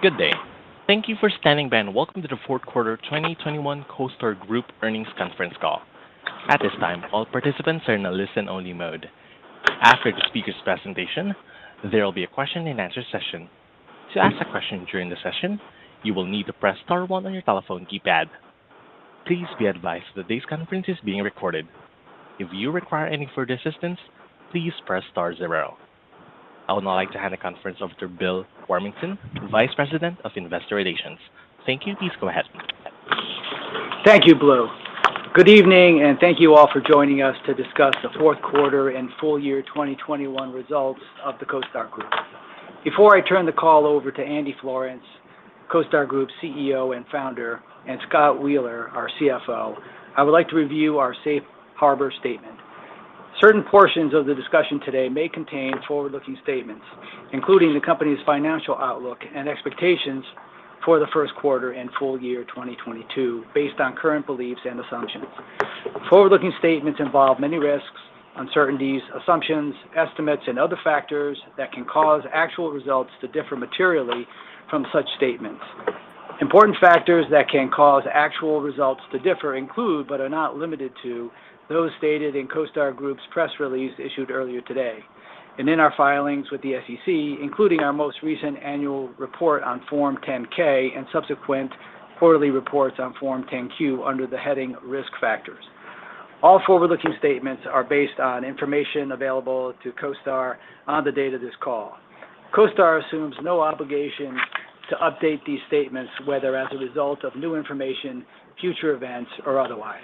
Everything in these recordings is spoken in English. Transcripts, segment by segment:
Good day. Thank you for standing by, and welcome to the Fourth Quarter 2021 CoStar Group Earnings Conference Call. At this time, all participants are in a listen-only mode. After the speaker's presentation, there will be a question and answer session. To ask a question during the session, you will need to press star one on your telephone keypad. Please be advised that this conference is being recorded. If you require any further assistance, please press star zero. I would now like to hand the conference over to Bill Warmington, Vice President of Investor Relations. Thank you. Please go ahead. Thank you, Blue. Good evening, and thank you all for joining us to discuss the Fourth Quarter and Full Year 2021 Results of the CoStar Group. Before I turn the call over to Andy Florance, CoStar Group's CEO and Founder, and Scott Wheeler, our CFO, I would like to review our safe harbor statement. Certain portions of the discussion today may contain forward-looking statements, including the company's financial outlook and expectations for the first quarter and full year 2022, based on current beliefs and assumptions. Forward-looking statements involve many risks, uncertainties, assumptions, estimates, and other factors that can cause actual results to differ materially from such statements. Important factors that can cause actual results to differ include, but are not limited to, those stated in CoStar Group's press release issued earlier today and in our filings with the SEC, including our most recent annual report on Form 10-K and subsequent quarterly reports on Form 10-Q under the heading Risk Factors. All forward-looking statements are based on information available to CoStar on the date of this call. CoStar assumes no obligation to update these statements, whether as a result of new information, future events, or otherwise.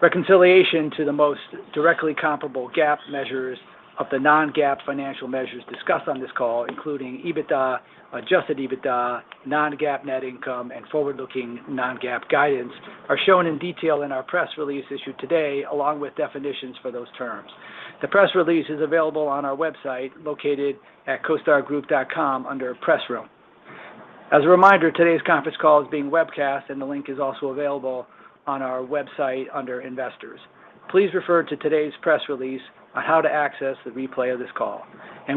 Reconciliation to the most directly comparable GAAP measures of the non-GAAP financial measures discussed on this call, including EBITDA, Adjusted EBITDA, non-GAAP net income, and forward-looking non-GAAP guidance, are shown in detail in our press release issued today, along with definitions for those terms. The press release is available on our website located at CoStarGroup.com under Press Room. As a reminder, today's conference call is being webcast and the link is also available on our website under Investors. Please refer to today's press release on how to access the replay of this call.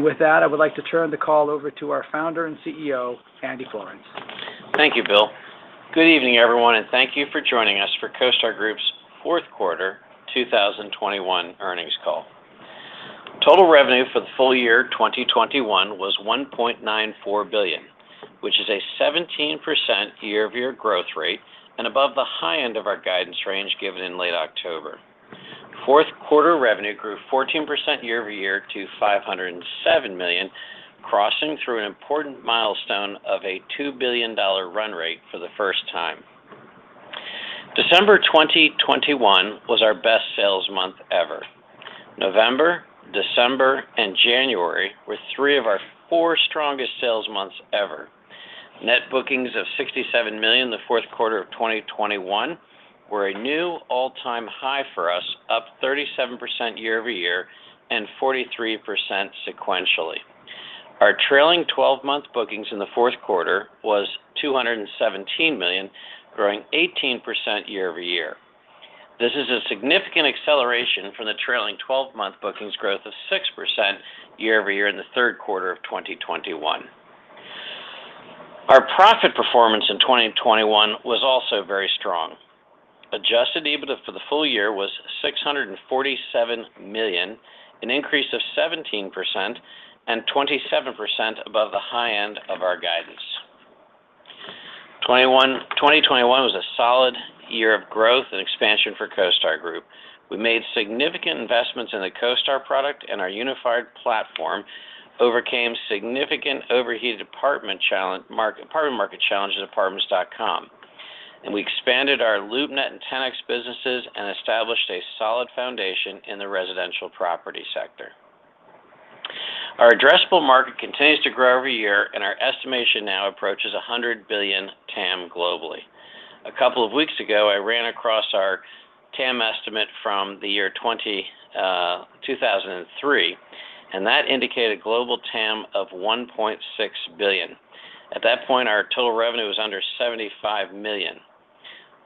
With that, I would like to turn the call over to our Founder and CEO, Andy Florance. Thank you, Bill. Good evening, everyone, and thank you for joining us for CoStar Group's Fourth Quarter 2021 Earnings Call. Total revenue for the full year 2021 was $1.94 billion, which is a 17% year-over-year growth rate and above the high end of our guidance range given in late October. Fourth quarter revenue grew 14% year-over-year to $507 million, crossing through an important milestone of a $2 billion run rate for the first time. December 2021 was our best sales month ever. November, December, and January were three of our four strongest sales months ever. Net bookings of $67 million in the fourth quarter of 2021 were a new all-time high for us, up 37% year-over-year and 43% sequentially. Our trailing 12-month bookings in the fourth quarter was $217 million, growing 18% year-over-year. This is a significant acceleration from the trailing 12-month bookings growth of 6% year-over-year in the third quarter of 2021. Our profit performance in 2021 was also very strong. Adjusted EBITDA for the full year was $647 million, an increase of 17% and 27% above the high end of our guidance. 2021 was a solid year of growth and expansion for CoStar Group. We made significant investments in the CoStar product and our unified platform, overcame significant overheated apartment market challenges at Apartments.com, and we expanded our LoopNet and Ten-X businesses and established a solid foundation in the residential property sector. Our addressable market continues to grow every year, and our estimation now approaches $100 billion TAM globally. A couple of weeks ago, I ran across our TAM estimate from the year 2003, and that indicated global TAM of $1.6 billion. At that point, our total revenue was under $75 million.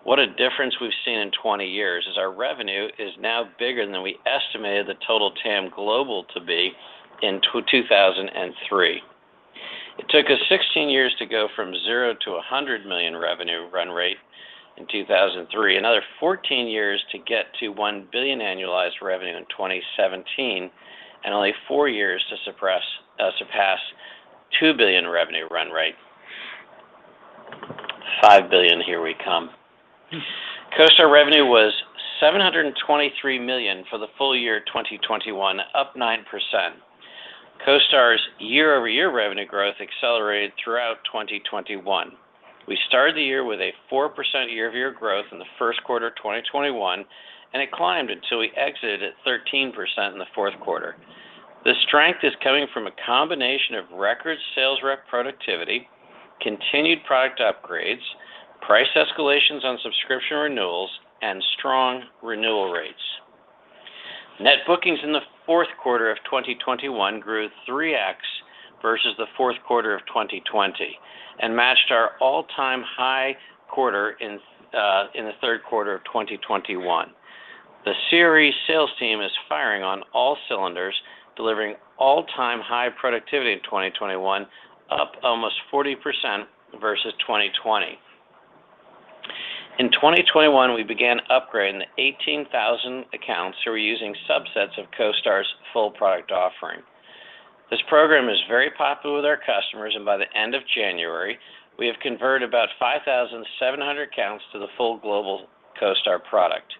What a difference we've seen in 20 years as our revenue is now bigger than we estimated the total TAM global to be in 2003. It took us 16 years to go from zero to a $100 million revenue run rate in 2003, another 14 years to get to $1 billion annualized revenue in 2017, and only four years to surpass $2 billion revenue run rate. $5 billion, here we come. CoStar revenue was $723 million for the full year 2021, up 9%. CoStar's year-over-year revenue growth accelerated throughout 2021. We started the year with a 4% year-over-year growth in the first quarter of 2021, and it climbed until we exited at 13% in the fourth quarter. The strength is coming from a combination of record sales rep productivity, continued product upgrades, price escalations on subscription renewals, and strong renewal rates. Net bookings in the fourth quarter of 2021 grew 3x versus the fourth quarter of 2020 and matched our all-time high quarter in the third quarter of 2021. The CRE sales team is firing on all cylinders, delivering all-time high productivity in 2021, up almost 40% versus 2020. In 2021, we began upgrading the 18,000 accounts who are using subsets of CoStar's full product offering. This program is very popular with our customers, and by the end of January, we have converted about 5,700 accounts to the full global CoStar product.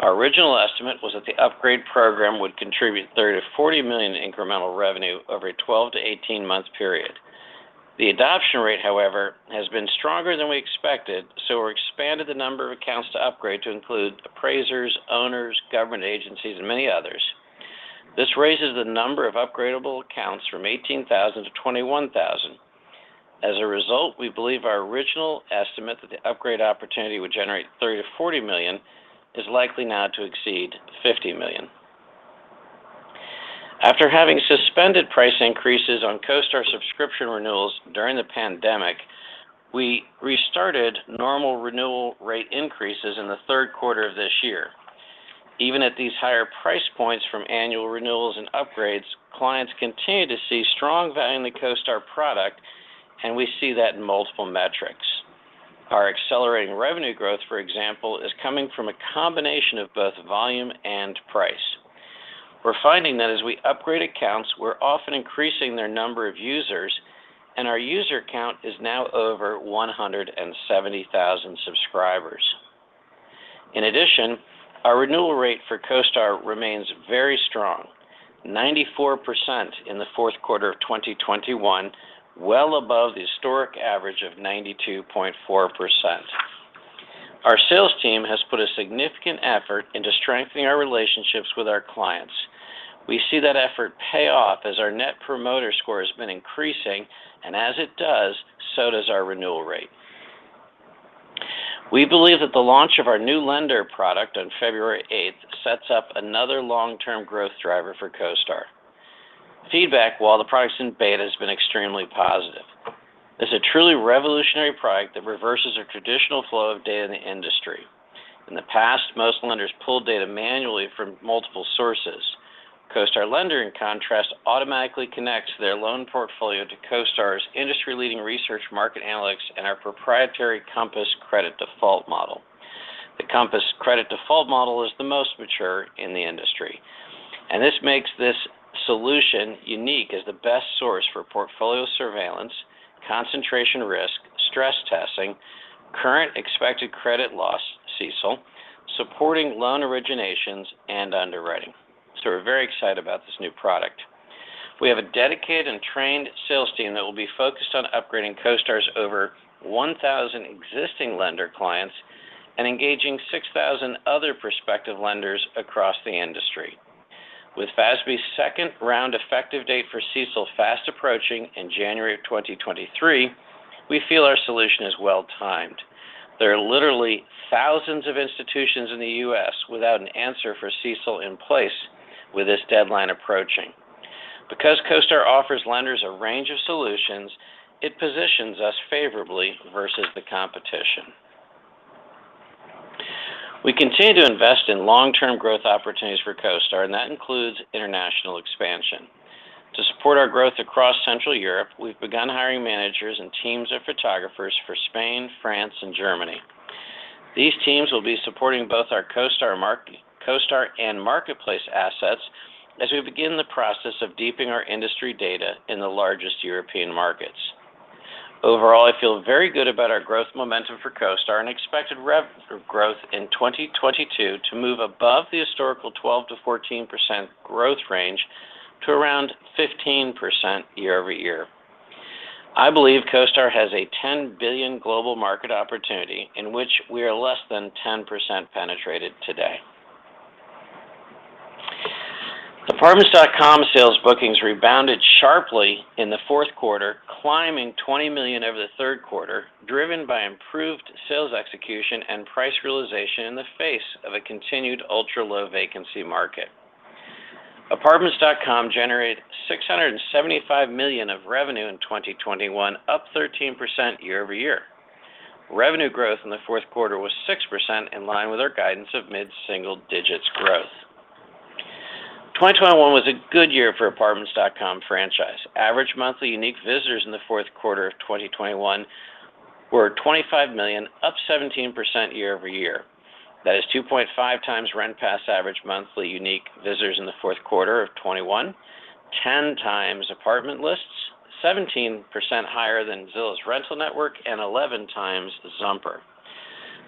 Our original estimate was that the upgrade program would contribute $30 million-$40 million in incremental revenue over a 12-18 month period. The adoption rate, however, has been stronger than we expected, so we expanded the number of accounts to upgrade to include appraisers, owners, government agencies, and many others. This raises the number of upgradable accounts from 18,000-21,000. As a result, we believe our original estimate that the upgrade opportunity would generate $30 million-$40 million is likely now to exceed $50 million. After having suspended price increases on CoStar subscription renewals during the pandemic, we restarted normal renewal rate increases in the third quarter of this year. Even at these higher price points from annual renewals and upgrades, clients continue to see strong value in the CoStar product, and we see that in multiple metrics. Our accelerating revenue growth, for example, is coming from a combination of both volume and price. We're finding that as we upgrade accounts, we're often increasing their number of users, and our user count is now over 170,000 subscribers. In addition, our renewal rate for CoStar remains very strong, 94% in the fourth quarter of 2021, well above the historic average of 92.4%. Our sales team has put a significant effort into strengthening our relationships with our clients. We see that effort pay off as our Net Promoter Score has been increasing, and as it does, so does our renewal rate. We believe that the launch of our new lender product on February eighth sets up another long-term growth driver for CoStar. Feedback while the product's in beta has been extremely positive. This is a truly revolutionary product that reverses our traditional flow of data in the industry. In the past, most lenders pulled data manually from multiple sources. CoStar for Lenders, in contrast, automatically connects their loan portfolio to CoStar's industry-leading research market analytics and our proprietary COMPASS Credit Default Model. The COMPASS Credit Default Model is the most mature in the industry, and this makes this solution unique as the best source for Portfolio Surveillance, Concentration Risk, Stress Testing, Current Expected Credit Loss, CECL, supporting Loan Originations, and underwriting. We're very excited about this new product. We have a dedicated and trained sales team that will be focused on upgrading CoStar's over 1,000 existing lender clients and engaging 6,000 other prospective lenders across the industry. With FASB's second-round effective date for CECL fast approaching in January 2023, we feel our solution is well-timed. There are literally thousands of institutions in the U.S. without an answer for CECL in place with this deadline approaching. Because CoStar offers lenders a range of solutions, it positions us favorably versus the competition. We continue to invest in long-term growth opportunities for CoStar, and that includes international expansion. To support our growth across Central Europe, we've begun hiring managers and teams of photographers for Spain, France, and Germany. These teams will be supporting both our CoStar and Marketplace assets as we begin the process of deepening our industry data in the largest European markets. Overall, I feel very good about our growth momentum for CoStar and expected revenue growth in 2022 to move above the historical 12%-14% growth range to around 15% year-over-year. I believe CoStar has a $10 billion global market opportunity in which we are less than 10% penetrated today. Apartments.com sales bookings rebounded sharply in the fourth quarter, climbing $20 million over the third quarter, driven by improved sales execution and price realization in the face of a continued ultra-low vacancy market. Apartments.com generated $675 million of revenue in 2021, up 13% year-over-year. Revenue growth in the fourth quarter was 6% in line with our guidance of mid-single digits growth. 2021 was a good year for Apartments.com franchise. Average monthly unique visitors in the fourth quarter of 2021 were 25 million, up 17% year-over-year. That is 2.5x RentPath average monthly unique visitors in the fourth quarter of 2021, 10x Apartment List, 17% higher than Zillow's rental network, and 11x Zumper.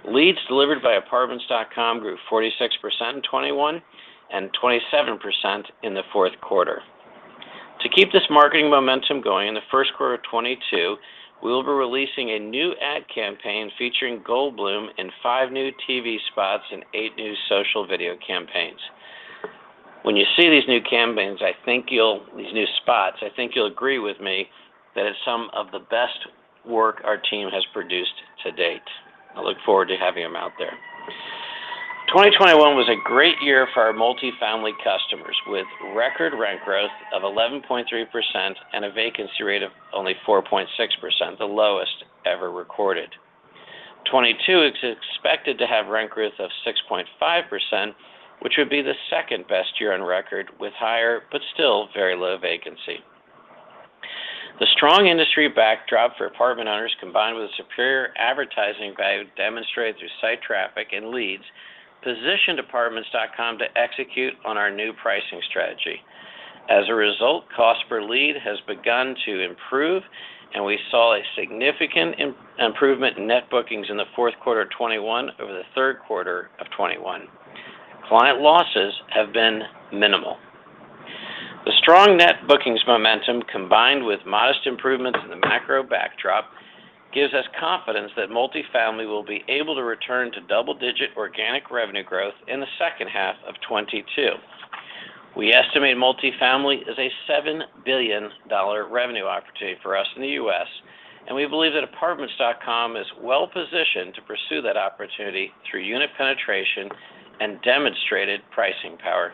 Leads delivered by Apartments.com grew 46% in 2021 and 27% in the fourth quarter. To keep this marketing momentum going in the first quarter of 2022, we will be releasing a new ad campaign featuring Goldblum in five new TV spots and eight new social video campaigns. When you see these new campaigns, I think you'll agree with me that it's some of the best work our team has produced to date. I look forward to having them out there.2021 was a great year for our multifamily customers with record rent growth of 11.3% and a vacancy rate of only 4.6%, the lowest ever recorded. 2022 is expected to have rent growth of 6.5%, which would be the second best year on record with higher but still very low vacancy. The strong industry backdrop for apartment owners, combined with superior advertising value demonstrated through site traffic and leads, position Apartments.com to execute on our new pricing strategy. As a result, cost per lead has begun to improve, and we saw a significant improvement in net bookings in the fourth quarter of 2021 over the third quarter of 2021. Client losses have been minimal. The strong net bookings momentum, combined with modest improvements in the macro backdrop, gives us confidence that multifamily will be able to return to double-digit organic revenue growth in the second half of 2022. We estimate multifamily is a $7 billion revenue opportunity for us in the U.S., and we believe that Apartments.com is well-positioned to pursue that opportunity through unit penetration and demonstrated pricing power.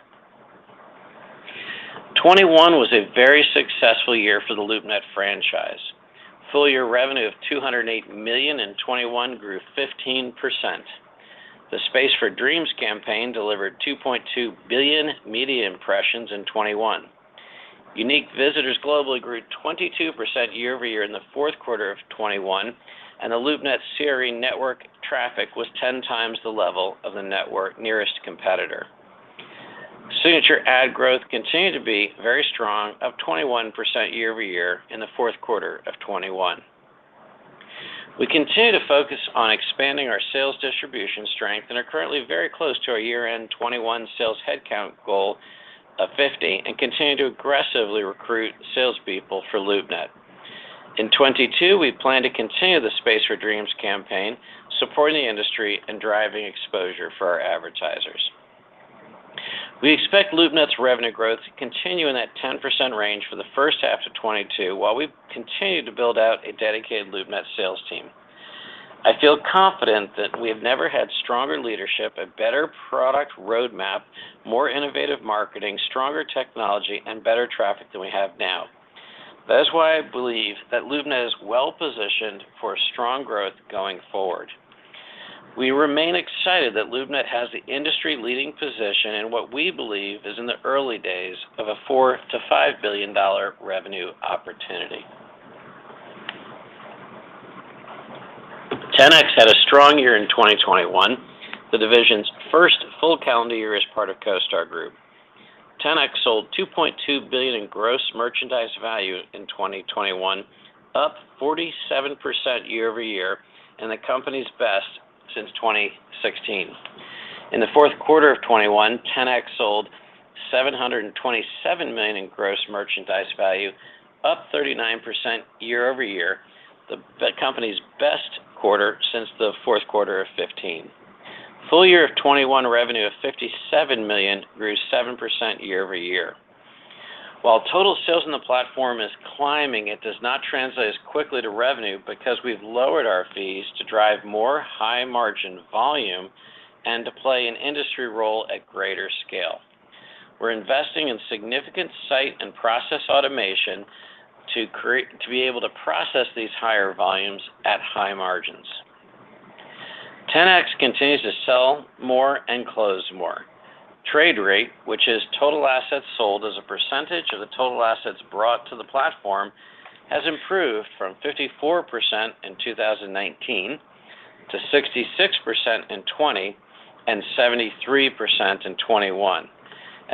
2021 was a very successful year for the LoopNet franchise. Full year revenue of $208 million in 2021 grew 15%. The Space For Dreams campaign delivered 2.2 billion media impressions in 2021. Unique visitors globally grew 22% year-over-year in the fourth quarter of 2021, and the LoopNet CRE network traffic was 10x the level of the network nearest competitor. Signature Ad growth continued to be very strong of 21% year over year in the fourth quarter of 2021. We continue to focus on expanding our sales distribution strength and are currently very close to our year-end 2021 sales headcount goal of 50 and continue to aggressively recruit salespeople for LoopNet. In 2022, we plan to continue the Space for Dreams campaign, supporting the industry and driving exposure for our advertisers. We expect LoopNet's revenue growth to continue in that 10% range for the first half of 2022 while we continue to build out a dedicated LoopNet sales team. I feel confident that we have never had stronger leadership, a better product roadmap, more innovative marketing, stronger technology, and better traffic than we have now. That is why I believe that LoopNet is well-positioned for a strong growth going forward. We remain excited that LoopNet has the industry-leading position in what we believe is in the early days of a $4 billion-$5 billion revenue opportunity. Ten-X had a strong year in 2021, the division's first full calendar year as part of CoStar Group. Ten-X sold $2.2 billion in gross merchandise value in 2021, up 47% year-over-year, and the company's best since 2016. In the fourth quarter of 2021, Ten-X sold $727 million in gross merchandise value, up 39% year-over-year, the company's best quarter since the fourth quarter of 2015. Full-year 2021 revenue of $57 million grew 7% year-over-year. While total sales in the platform is climbing, it does not translate as quickly to revenue because we've lowered our fees to drive more high-margin volume and to play an industry role at greater scale. We're investing in significant site and process automation to be able to process these higher volumes at high margins. Ten-X continues to sell more and close more. Trade rate, which is total assets sold as a percentage of the total assets brought to the platform, has improved from 54% in 2019 to 66% in 2020, and 73% in 2021.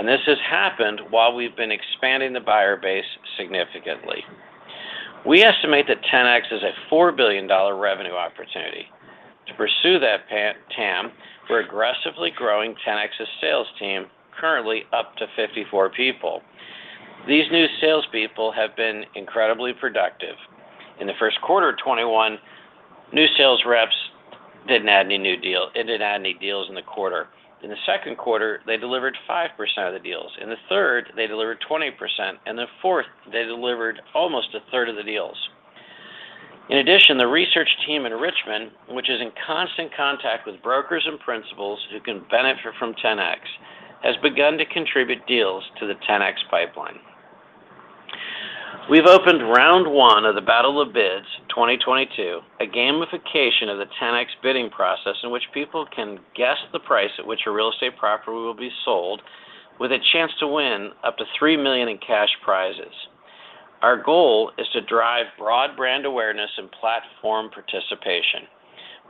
This has happened while we've been expanding the buyer base significantly. We estimate that Ten-X is a $4 billion revenue opportunity. To pursue that TAM, we're aggressively growing Ten-X's sales team currently up to 54 people. These new salespeople have been incredibly productive. In the first quarter of 2021, new sales reps didn't add any deals in the quarter. In the second quarter, they delivered 5% of the deals. In the third, they delivered 20%, and the fourth, they delivered almost a third of the deals. In addition, the research team in Richmond, which is in constant contact with brokers and principals who can benefit from Ten-X, has begun to contribute deals to the Ten-X pipeline. We've opened round one of the Battle of Bids 2022, a gamification of the Ten-X bidding process in which people can guess the price at which a real estate property will be sold with a chance to win up to $3 million in cash prizes. Our goal is to drive broad brand awareness and platform participation.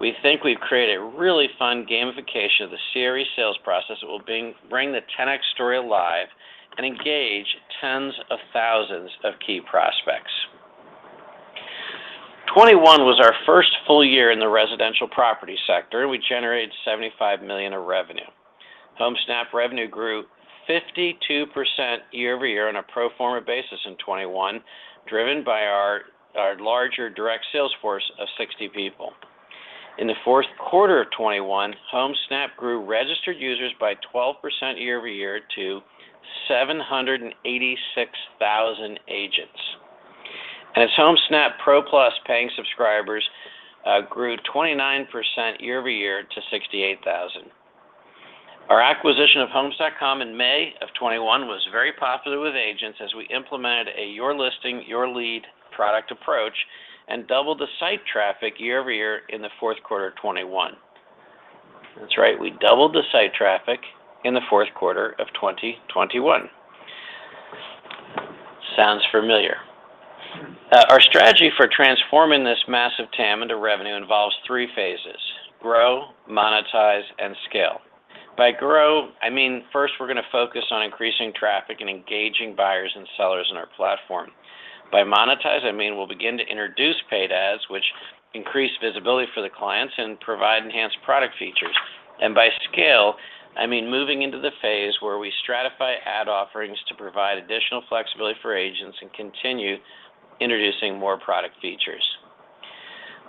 We think we've created a really fun gamification of the CRE sales process that will bring the Ten-X story alive and engage tens of thousands of key prospects. 2021 was our first full year in the residential property sector. We generated $75 million of revenue. Homesnap revenue grew 52% year-over-year on a pro forma basis in 2021, driven by our larger direct sales force of 60 people. In the fourth quarter of 2021, Homesnap grew registered users by 12% year-over-year to 786,000 agents. Homesnap Pro+ paying subscribers grew 29% year-over-year to 68,000. Our acquisition of Homes.com in May 2021 was very popular with agents as we implemented a your listing, your lead product approach and doubled the site traffic year-over-year in the fourth quarter of 2021.That's right, we doubled the site traffic in the fourth quarter of 2021. Sounds familiar. Our strategy for transforming this massive TAM into revenue involves three phases, grow, monetize, and scale. By grow, I mean, first, we're going to focus on increasing traffic and engaging buyers and sellers in our platform. By monetize, I mean, we'll begin to introduce paid ads, which increase visibility for the clients and provide enhanced product features. By scale, I mean, moving into the phase where we stratify ad offerings to provide additional flexibility for agents and continue introducing more product features.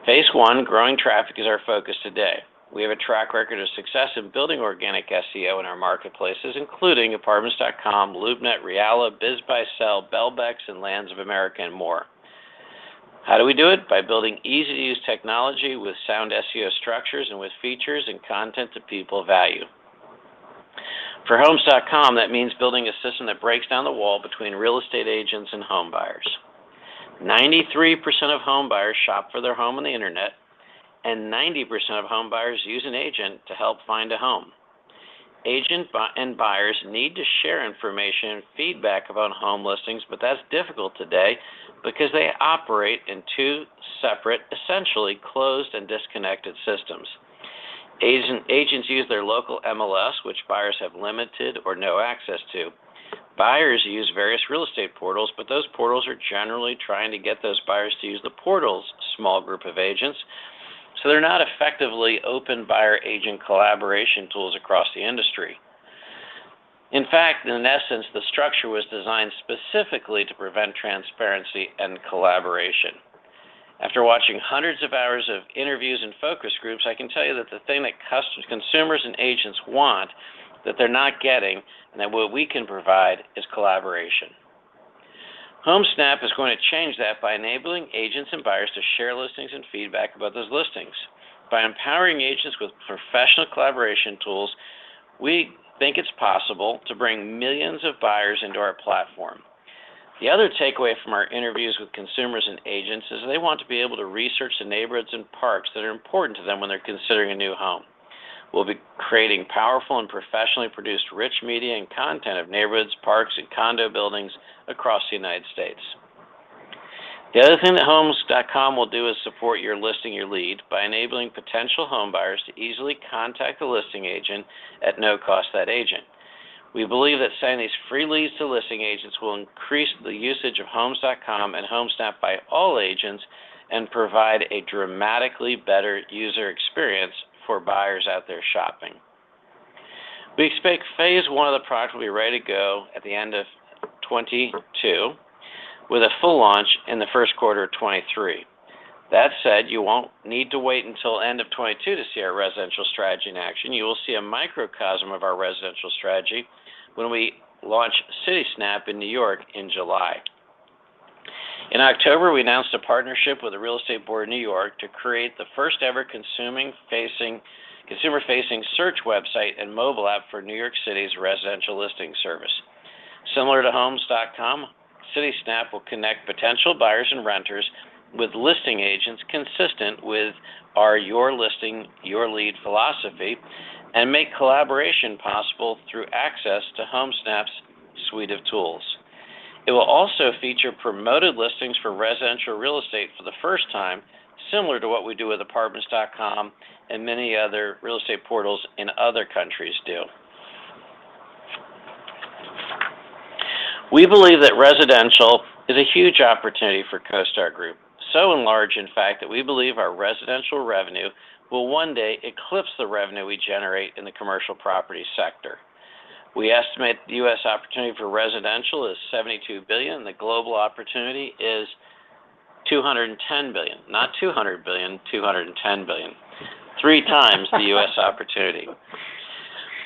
Phase I, growing traffic is our focus today. We have a track record of success in building organic SEO in our marketplaces, including Apartments.com, LoopNet, Realla, BizBuySell, Belbex, and Lands of America, and more. How do we do it? By building easy-to-use technology with sound SEO structures and with features and content that people value. For Homes.com, that means building a system that breaks down the wall between real estate agents and home buyers. 93% of home buyers shop for their home on the internet, and 90% of home buyers use an agent to help find a home. Agents and buyers need to share information and feedback about home listings, but that's difficult today because they operate in two separate, essentially closed and disconnected systems. Agents use their local MLS, which buyers have limited or no access to. Buyers use various real estate portals, but those portals are generally trying to get those buyers to use the portal's small group of agents, so they're not effectively open buyer-agent collaboration tools across the industry. In fact, in essence, the structure was designed specifically to prevent transparency and collaboration. After watching hundreds of hours of interviews and focus groups, I can tell you that the thing that consumers and agents want that they're not getting and that what we can provide is collaboration. Homesnap is going to change that by enabling agents and buyers to share listings and feedback about those listings. By empowering agents with professional collaboration tools, we think it's possible to bring millions of buyers into our platform. The other takeaway from our interviews with consumers and agents is they want to be able to research the neighborhoods and parks that are important to them when they're considering a new home. We'll be creating powerful and professionally produced rich media and content of neighborhoods, parks, and condo buildings across the United States. The other thing that Homes.com will do is support your listing, your lead by enabling potential home buyers to easily contact the listing agent at no cost to that agent. We believe that sending these free leads to listing agents will increase the usage of Homes.com and Homesnap by all agents and provide a dramatically better user experience for buyers out there shopping. We expect phase I of the product will be ready to go at the end of 2022 with a full launch in the first quarter of 2023. That said, you won't need to wait until end of 2022 to see our residential strategy in action. You will see a microcosm of our residential strategy when we launch CitySnap in New York in July. In October, we announced a partnership with the Real Estate Board of New York to create the first ever consumer-facing search website and mobile app for New York City's residential listing service. Similar to Homes.com, CitySnap will connect potential buyers and renters with listing agents consistent with our 'your listing, your lead' philosophy and make collaboration possible through access to Homesnap's suite of tools. It will also feature promoted listings for residential real estate for the first time, similar to what we do with Apartments.com and many other real estate portals in other countries do. We believe that residential is a huge opportunity for CoStar Group, so large in fact that we believe our residential revenue will one day eclipse the revenue we generate in the commercial property sector. We estimate the US opportunity for residential is $72 billion. The global opportunity is $210 billion, not $200 billion, $210 billion, 3x the US opportunity.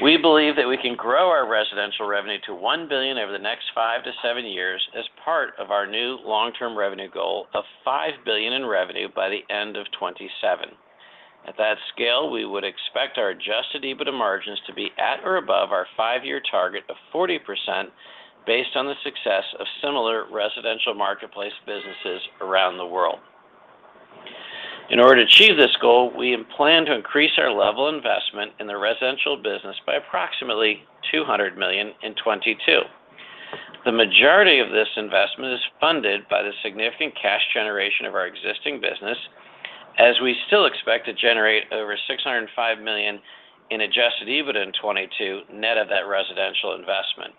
We believe that we can grow our residential revenue to $1 billion over the next 5-7 years as part of our new long-term revenue goal of $5 billion in revenue by the end of 2027. At that scale, we would expect our Adjusted EBITDA margins to be at or above our five year target of 40% based on the success of similar residential marketplace businesses around the world. In order to achieve this goal, we plan to increase our level investment in the residential business by approximately $200 million in 2022. The majority of this investment is funded by the significant cash generation of our existing business as we still expect to generate over $605 million in Adjusted EBITDA in 2022 net of that residential investment.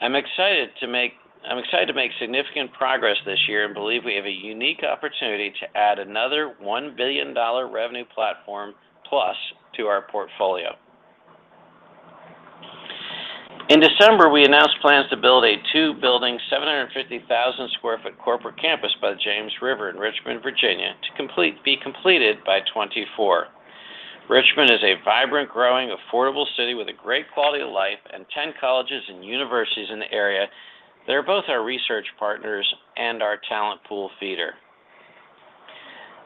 I'm excited to make significant progress this year and believe we have a unique opportunity to add another $1 billion revenue platform + to our portfolio. In December, we announced plans to build a two-building, 750,000 sq ft corporate campus by the James River in Richmond, Virginia, to be completed by 2024. Richmond is a vibrant, growing, affordable city with a great quality of life and 10 colleges and universities in the area that are both our research partners and our talent pool feeder.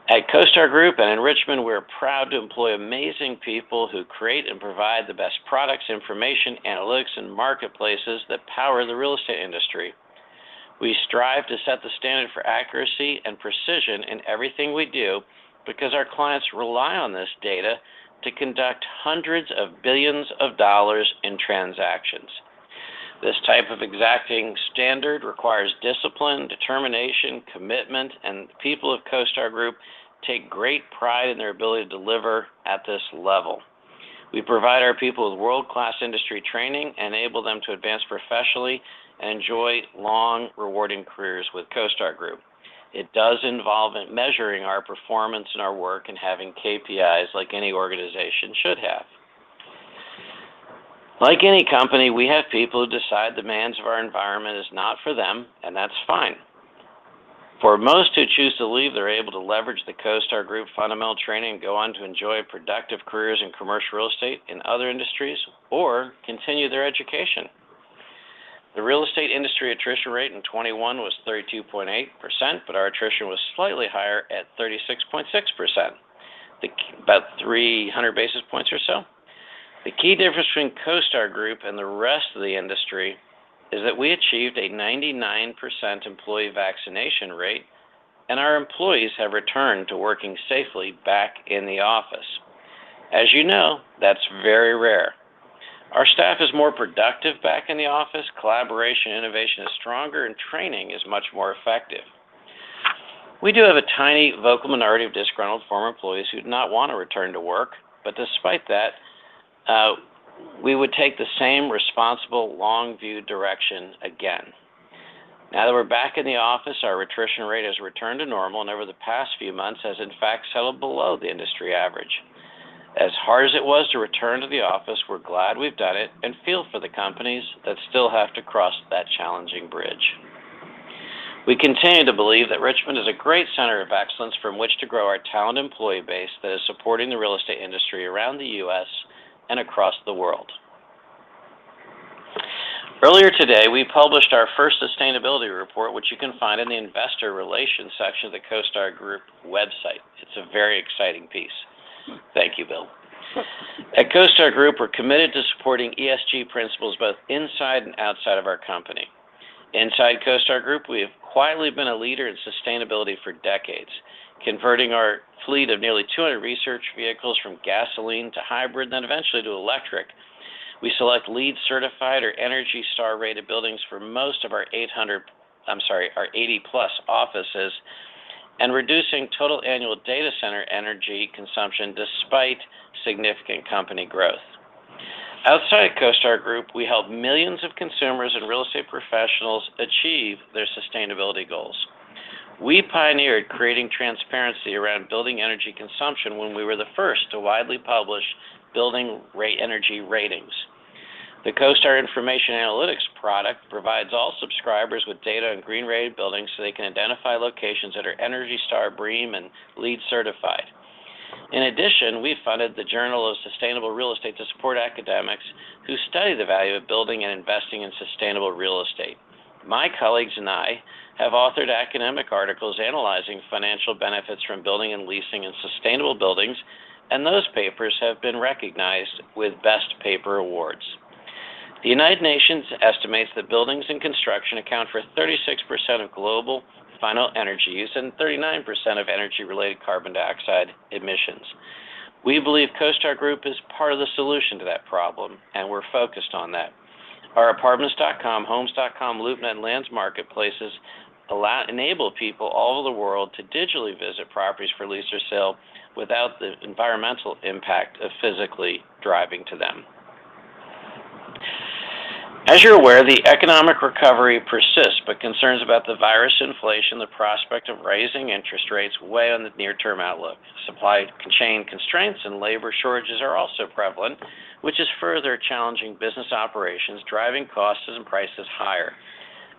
At CoStar Group and in Richmond, we're proud to employ amazing people who create and provide the best products, information, analytics, and marketplaces that power the real estate industry. We strive to set the standard for accuracy and precision in everything we do because our clients rely on this data to conduct hundreds of billions of dollars in transactions. This type of exacting standard requires discipline, determination, commitment, and the people of CoStar Group take great pride in their ability to deliver at this level. We provide our people with world-class industry training, enable them to advance professionally and enjoy long, rewarding careers with CoStar Group. It does involve in measuring our performance and our work and having KPIs like any organization should have. Like any company, we have people who decide demands of our environment is not for them, and that's fine. For most who choose to leave, they're able to leverage the CoStar Group fundamental training and go on to enjoy productive careers in commercial real estate in other industries, or continue their education. The real estate industry attrition rate in 2021 was 32.8%, but our attrition was slightly higher at 36.6%. About 300 basis points or so. The key difference between CoStar Group and the rest of the industry is that we achieved a 99% employee vaccination rate, and our employees have returned to working safely back in the office. As you know, that's very rare. Our staff is more productive back in the office. Collaboration, innovation is stronger, and training is much more effective. We do have a tiny vocal minority of disgruntled former employees who do not want to return to work. But despite that, we would take the same responsible long view direction again. Now that we're back in the office, our attrition rate has returned to normal and over the past few months has in fact settled below the industry average. As hard as it was to return to the office, we're glad we've done it and feel for the companies that still have to cross that challenging bridge. We continue to believe that Richmond is a great center of excellence from which to grow our talent employee base that is supporting the real estate industry around the U.S. and across the world. Earlier today, we published our first sustainability report, which you can find in the Investor Relations section of the CoStar Group website. It's a very exciting piece. Thank you, Bill. At CoStar Group, we're committed to supporting ESG principles both inside and outside of our company. Inside CoStar Group, we have quietly been a leader in sustainability for decades, converting our fleet of nearly 200 research vehicles from gasoline to hybrid, and then eventually to electric. We select LEED certified or ENERGY STAR rated buildings for most of our 80+ offices, and reducing total annual data center energy consumption despite significant company growth. Outside CoStar Group, we help millions of consumers and real estate professionals achieve their sustainability goals. We pioneered creating transparency around building energy consumption when we were the first to widely publish building energy ratings. The CoStar Information Analytics product provides all subscribers with data on green rated buildings so they can identify locations that are ENERGY STAR, BREEAM, and LEED certified. In addition, we funded the Journal of Sustainable Real Estate to support academics who study the value of building and investing in sustainable real estate. My colleagues and I have authored academic articles analyzing financial benefits from building and leasing in sustainable buildings, and those papers have been recognized with Best Paper Awards. The United Nations estimates that buildings and construction account for 36% of global final energy use and 39% of energy-related carbon dioxide emissions. We believe CoStar Group is part of the solution to that problem, and we're focused on that. Our Apartments.com, Homes.com, LoopNet, and Lands marketplaces enable people all over the world to digitally visit properties for lease or sale without the environmental impact of physically driving to them. As you're aware, the economic recovery persists, but concerns about the virus, inflation, the prospect of raising interest rates weigh on the near-term outlook. Supply chain constraints and labor shortages are also prevalent, which is further challenging business operations, driving costs and prices higher.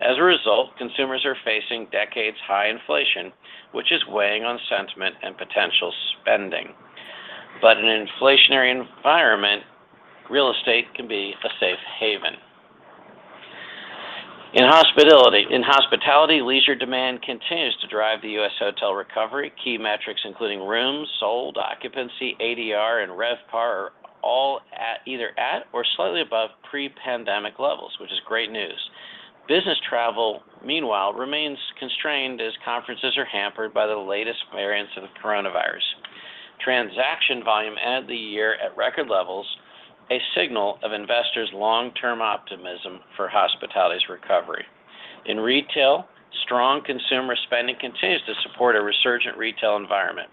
As a result, consumers are facing decades-high inflation, which is weighing on sentiment and potential spending. In an inflationary environment, real estate can be a safe haven. In hospitality, leisure demand continues to drive the US hotel recovery. Key metrics including Rooms Sold, Occupancy, ADR, and RevPAR are all either at or slightly above pre-pandemic levels, which is great news. Business travel, meanwhile, remains constrained as conferences are hampered by the latest variants of the coronavirus. Transaction volume ended the year at record levels, a signal of investors' long-term optimism for hospitality's recovery. In retail, strong consumer spending continues to support a resurgent retail environment.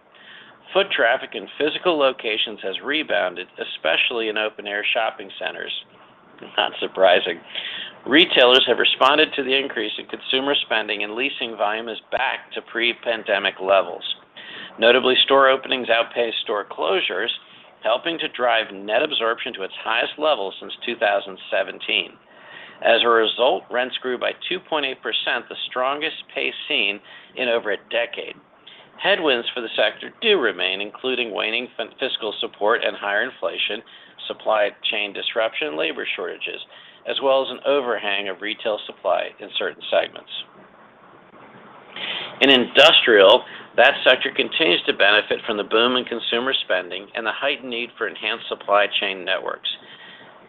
Foot traffic in physical locations has rebounded, especially in open-air shopping centers. Not surprising. Retailers have responded to the increase in consumer spending, and leasing volume is back to pre-pandemic levels. Notably, store openings outpace store closures, helping to drive net absorption to its highest level since 2017. As a result, rents grew by 2.8%, the strongest pace seen in over a decade. Headwinds for the sector do remain, including waning fiscal support and higher inflation, supply chain disruption, labor shortages, as well as an overhang of retail supply in certain segments. In industrial, that sector continues to benefit from the boom in consumer spending and the heightened need for enhanced supply chain networks.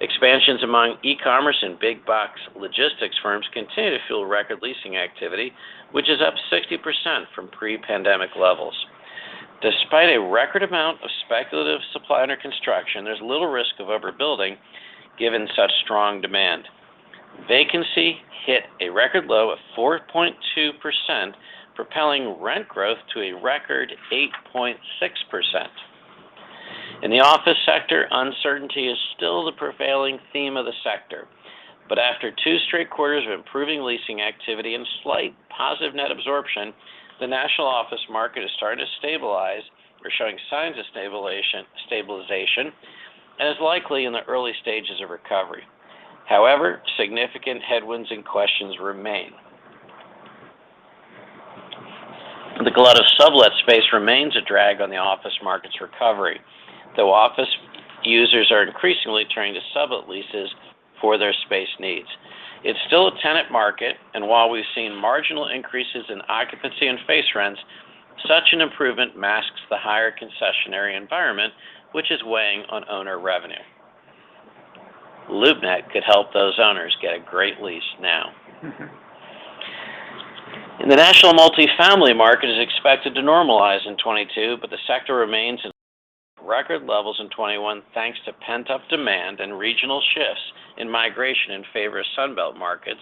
Expansions among e-commerce and big box logistics firms continue to fuel record leasing activity, which is up 60% from pre-pandemic levels. Despite a record amount of speculative supply under construction, there's little risk of overbuilding given such strong demand. Vacancy hit a record low of 4.2%, propelling rent growth to a record 8.6%. In the Office Sector, uncertainty is still the prevailing theme of the sector. After two straight quarters of improving leasing activity and slight positive net absorption, the national office market is starting to stabilize or showing signs of stabilization, and is likely in the early stages of recovery. However, significant headwinds and questions remain. The glut of sublet space remains a drag on the office market's recovery, though office users are increasingly turning to sublet leases for their space needs. It's still a Tenant Market, and while we've seen marginal increases in Occupancy and Face Rents, such an improvement masks the higher concessionary environment, which is weighing on owner revenue. LoopNet could help those owners get a great lease now. The national multifamily market is expected to normalize in 2022, but the sector remains at record levels in 2021 thanks to pent-up demand and regional shifts in migration in favor of Sun Belt markets.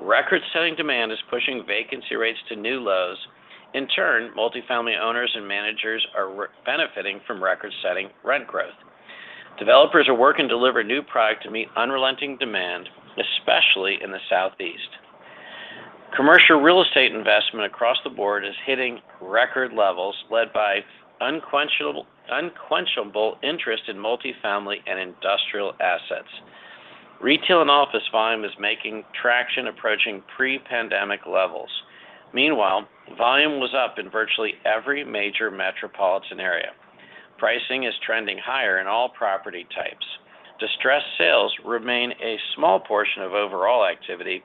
Record-setting demand is pushing vacancy rates to new lows. In turn, multifamily owners and managers are benefiting from record-setting rent growth. Developers are working to deliver new product to meet unrelenting demand, especially in the Southeast. Commercial real estate investment across the board is hitting record levels, led by unquenchable interest in multifamily and industrial assets. Retail and Office volume is making traction approaching pre-pandemic levels. Meanwhile, volume was up in virtually every major metropolitan area. Pricing is trending higher in all property types. Distressed sales remain a small portion of overall activity,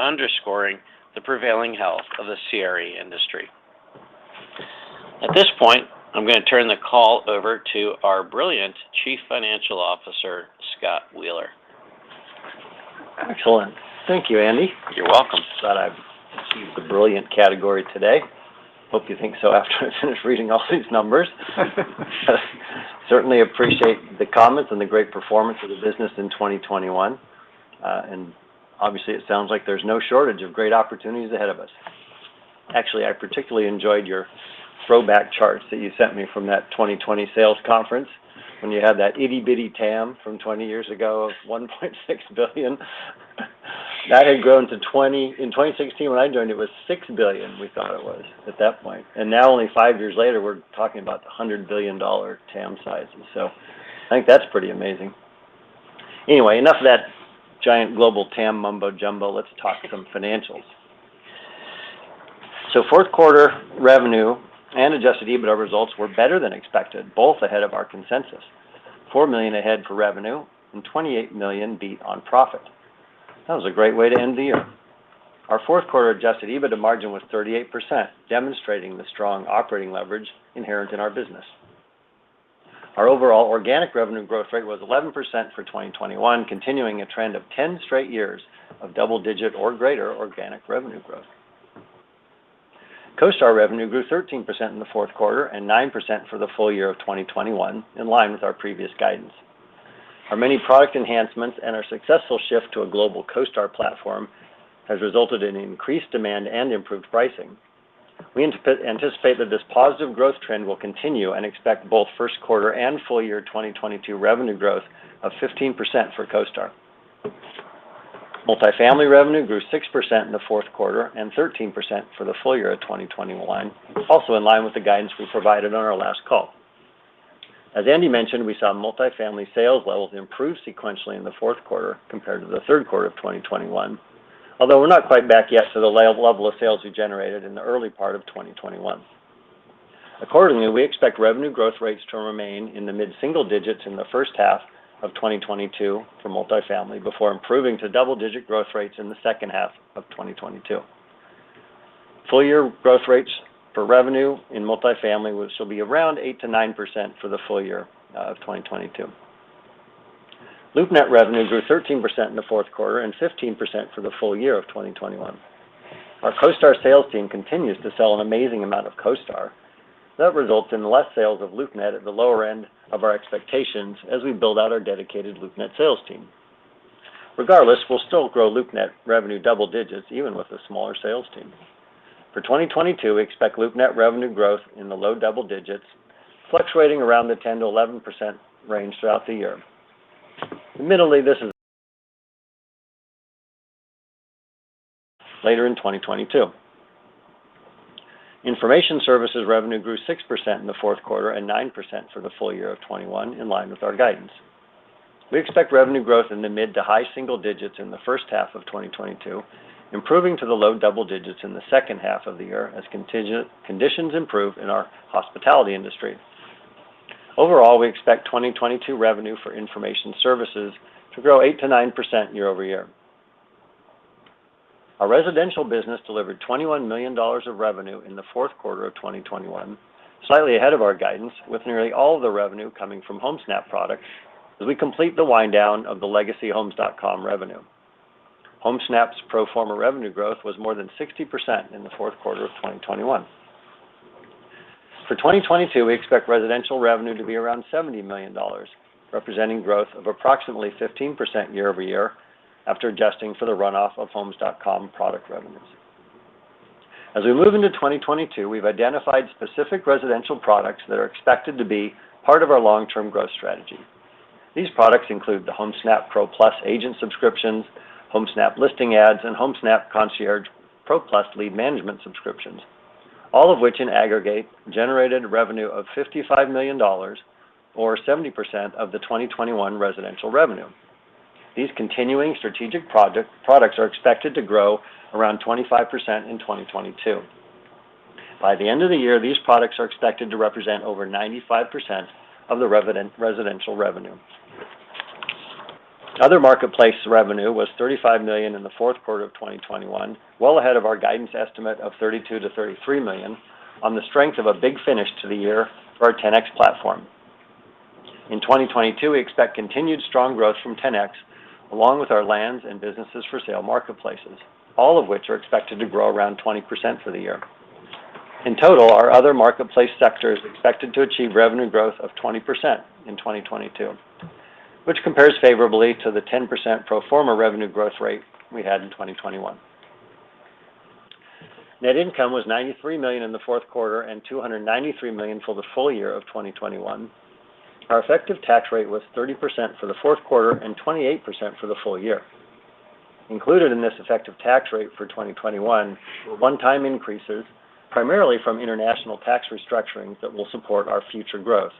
underscoring the prevailing health of the CRE industry. At this point, I'm going to turn the call over to our brilliant Chief Financial Officer, Scott Wheeler. Excellent. Thank you, Andy. You're welcome. Glad I've achieved the brilliant category today. Hope you think so after I finish reading all these numbers. Certainly appreciate the comments and the great performance of the business in 2021. And obviously it sounds like there's no shortage of great opportunities ahead of us. Actually, I particularly enjoyed your throwback charts that you sent me from that 2020 sales conference when you had that itty-bitty TAM from 20 years ago of $1.6 billion. That had grown. In 2016 when I joined, it was $6 billion, we thought it was at that point. Now only five years later, we're talking about the $100 billion TAM sizes. I think that's pretty amazing. Anyway, enough of that giant global TAM mumbo jumbo. Let's talk some financials. Fourth quarter revenue and Adjusted EBITDA results were better than expected, both ahead of our consensus. $4 million ahead for revenue and $28 million beat on profit. That was a great way to end the year. Our fourth quarter Adjusted EBITDA margin was 38%, demonstrating the strong operating leverage inherent in our business. Our overall organic revenue growth rate was 11% for 2021, continuing a trend of 10 straight years of double-digit or greater organic revenue growth. CoStar revenue grew 13% in the fourth quarter and 9% for the full year of 2021, in line with our previous guidance. Our many product enhancements and our successful shift to a global CoStar platform has resulted in increased demand and improved pricing. We anticipate that this positive growth trend will continue and expect both first quarter and full year 2022 revenue growth of 15% for CoStar. Multifamily revenue grew 6% in the fourth quarter and 13% for the full year of 2021, also in line with the guidance we provided on our last call. As Andy mentioned, we saw Multifamily sales levels improve sequentially in the fourth quarter compared to the third quarter of 2021. Although we're not quite back yet to the level of sales we generated in the early part of 2021. Accordingly, we expect revenue growth rates to remain in the mid-single digits in the first half of 2022 for multifamily before improving to double-digit growth rates in the second half of 2022.Full year growth rates for revenue in Multifamily will still be around 8%-9% for the full year of 2022. LoopNet revenue grew 13% in the fourth quarter and 15% for the full year of 2021. Our CoStar sales team continues to sell an amazing amount of CoStar. That results in less sales of LoopNet at the lower end of our expectations as we build out our dedicated LoopNet sales team. Regardless, we'll still grow LoopNet revenue double digits even with a smaller sales team. For 2022, we expect LoopNet revenue growth in the low double digits, fluctuating around the 10%-11% range throughout the year. Admittedly, this is later in 2022. Information Services revenue grew 6% in the fourth quarter and 9% for the full year of 2021, in line with our guidance. We expect revenue growth in the mid- to high-single digits in the first half of 2022, improving to the low double digits in the second half of the year as contingent conditions improve in our hospitality industry. Overall, we expect 2022 revenue for information services to grow 8%-9% year over year. Our Residential Business delivered $21 million of revenue in the fourth quarter of 2021, slightly ahead of our guidance, with nearly all the revenue coming from Homesnap products as we complete the wind down of the legacy Homes.com revenue. Homesnap's pro forma revenue growth was more than 60% in the fourth quarter of 2021.For 2022, we expect residential revenue to be around $70 million, representing growth of approximately 15% year-over-year after adjusting for the runoff of Homes.com product revenues. As we move into 2022, we've identified specific residential products that are expected to be part of our long-term growth strategy. These products include the Homesnap Pro+ agent subscriptions, Homesnap listing ads, and Homesnap Pro+ Concierge lead management subscriptions, all of which in aggregate generated revenue of $55 million or 70% of the 2021 residential revenue. These continuing strategic products are expected to grow around 25% in 2022. By the end of the year, these products are expected to represent over 95% of the residential revenue. Other marketplace revenue was $35 million in the fourth quarter of 2021, well ahead of our guidance estimate of $32 million-$33 million on the strength of a big finish to the year for our Ten-X platform. In 2022, we expect continued strong growth from Ten-X, along with our Lands and Businesses for sale marketplaces, all of which are expected to grow around 20% for the year. In total, our other marketplace sector is expected to achieve revenue growth of 20% in 2022, which compares favorably to the 10% pro forma revenue growth rate we had in 2021. Net income was $93 million in the fourth quarter and $293 million for the full year of 2021. Our effective tax rate was 30% for the fourth quarter and 28% for the full year. Included in this effective tax rate for 2021 were one-time increases, primarily from international tax restructurings that will support our future growth.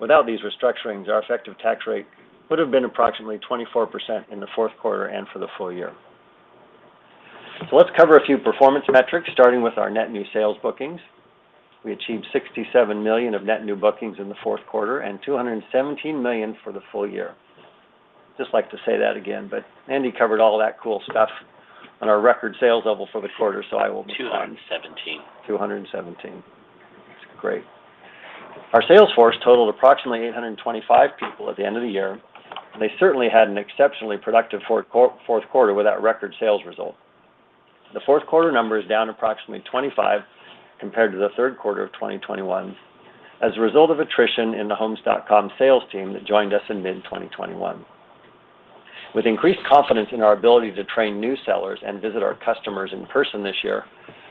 Without these restructurings, our effective tax rate would have been approximately 24% in the fourth quarter and for the full year. Let's cover a few performance metrics, starting with our net new sales bookings. We achieved $67 million of net new bookings in the fourth quarter and $217 million for the full year. Just like to say that again, but Andy covered all that cool stuff on our record sales level for the quarter, so I will move on. 217. 217. That's great. Our sales force totaled approximately 825 people at the end of the year, and they certainly had an exceptionally productive fourth quarter with that record sales result. The fourth quarter number is down approximately 25 compared to the third quarter of 2021 as a result of attrition in the Homes.com sales team that joined us in mid-2021. With increased confidence in our ability to train new sellers and visit our customers in person this year,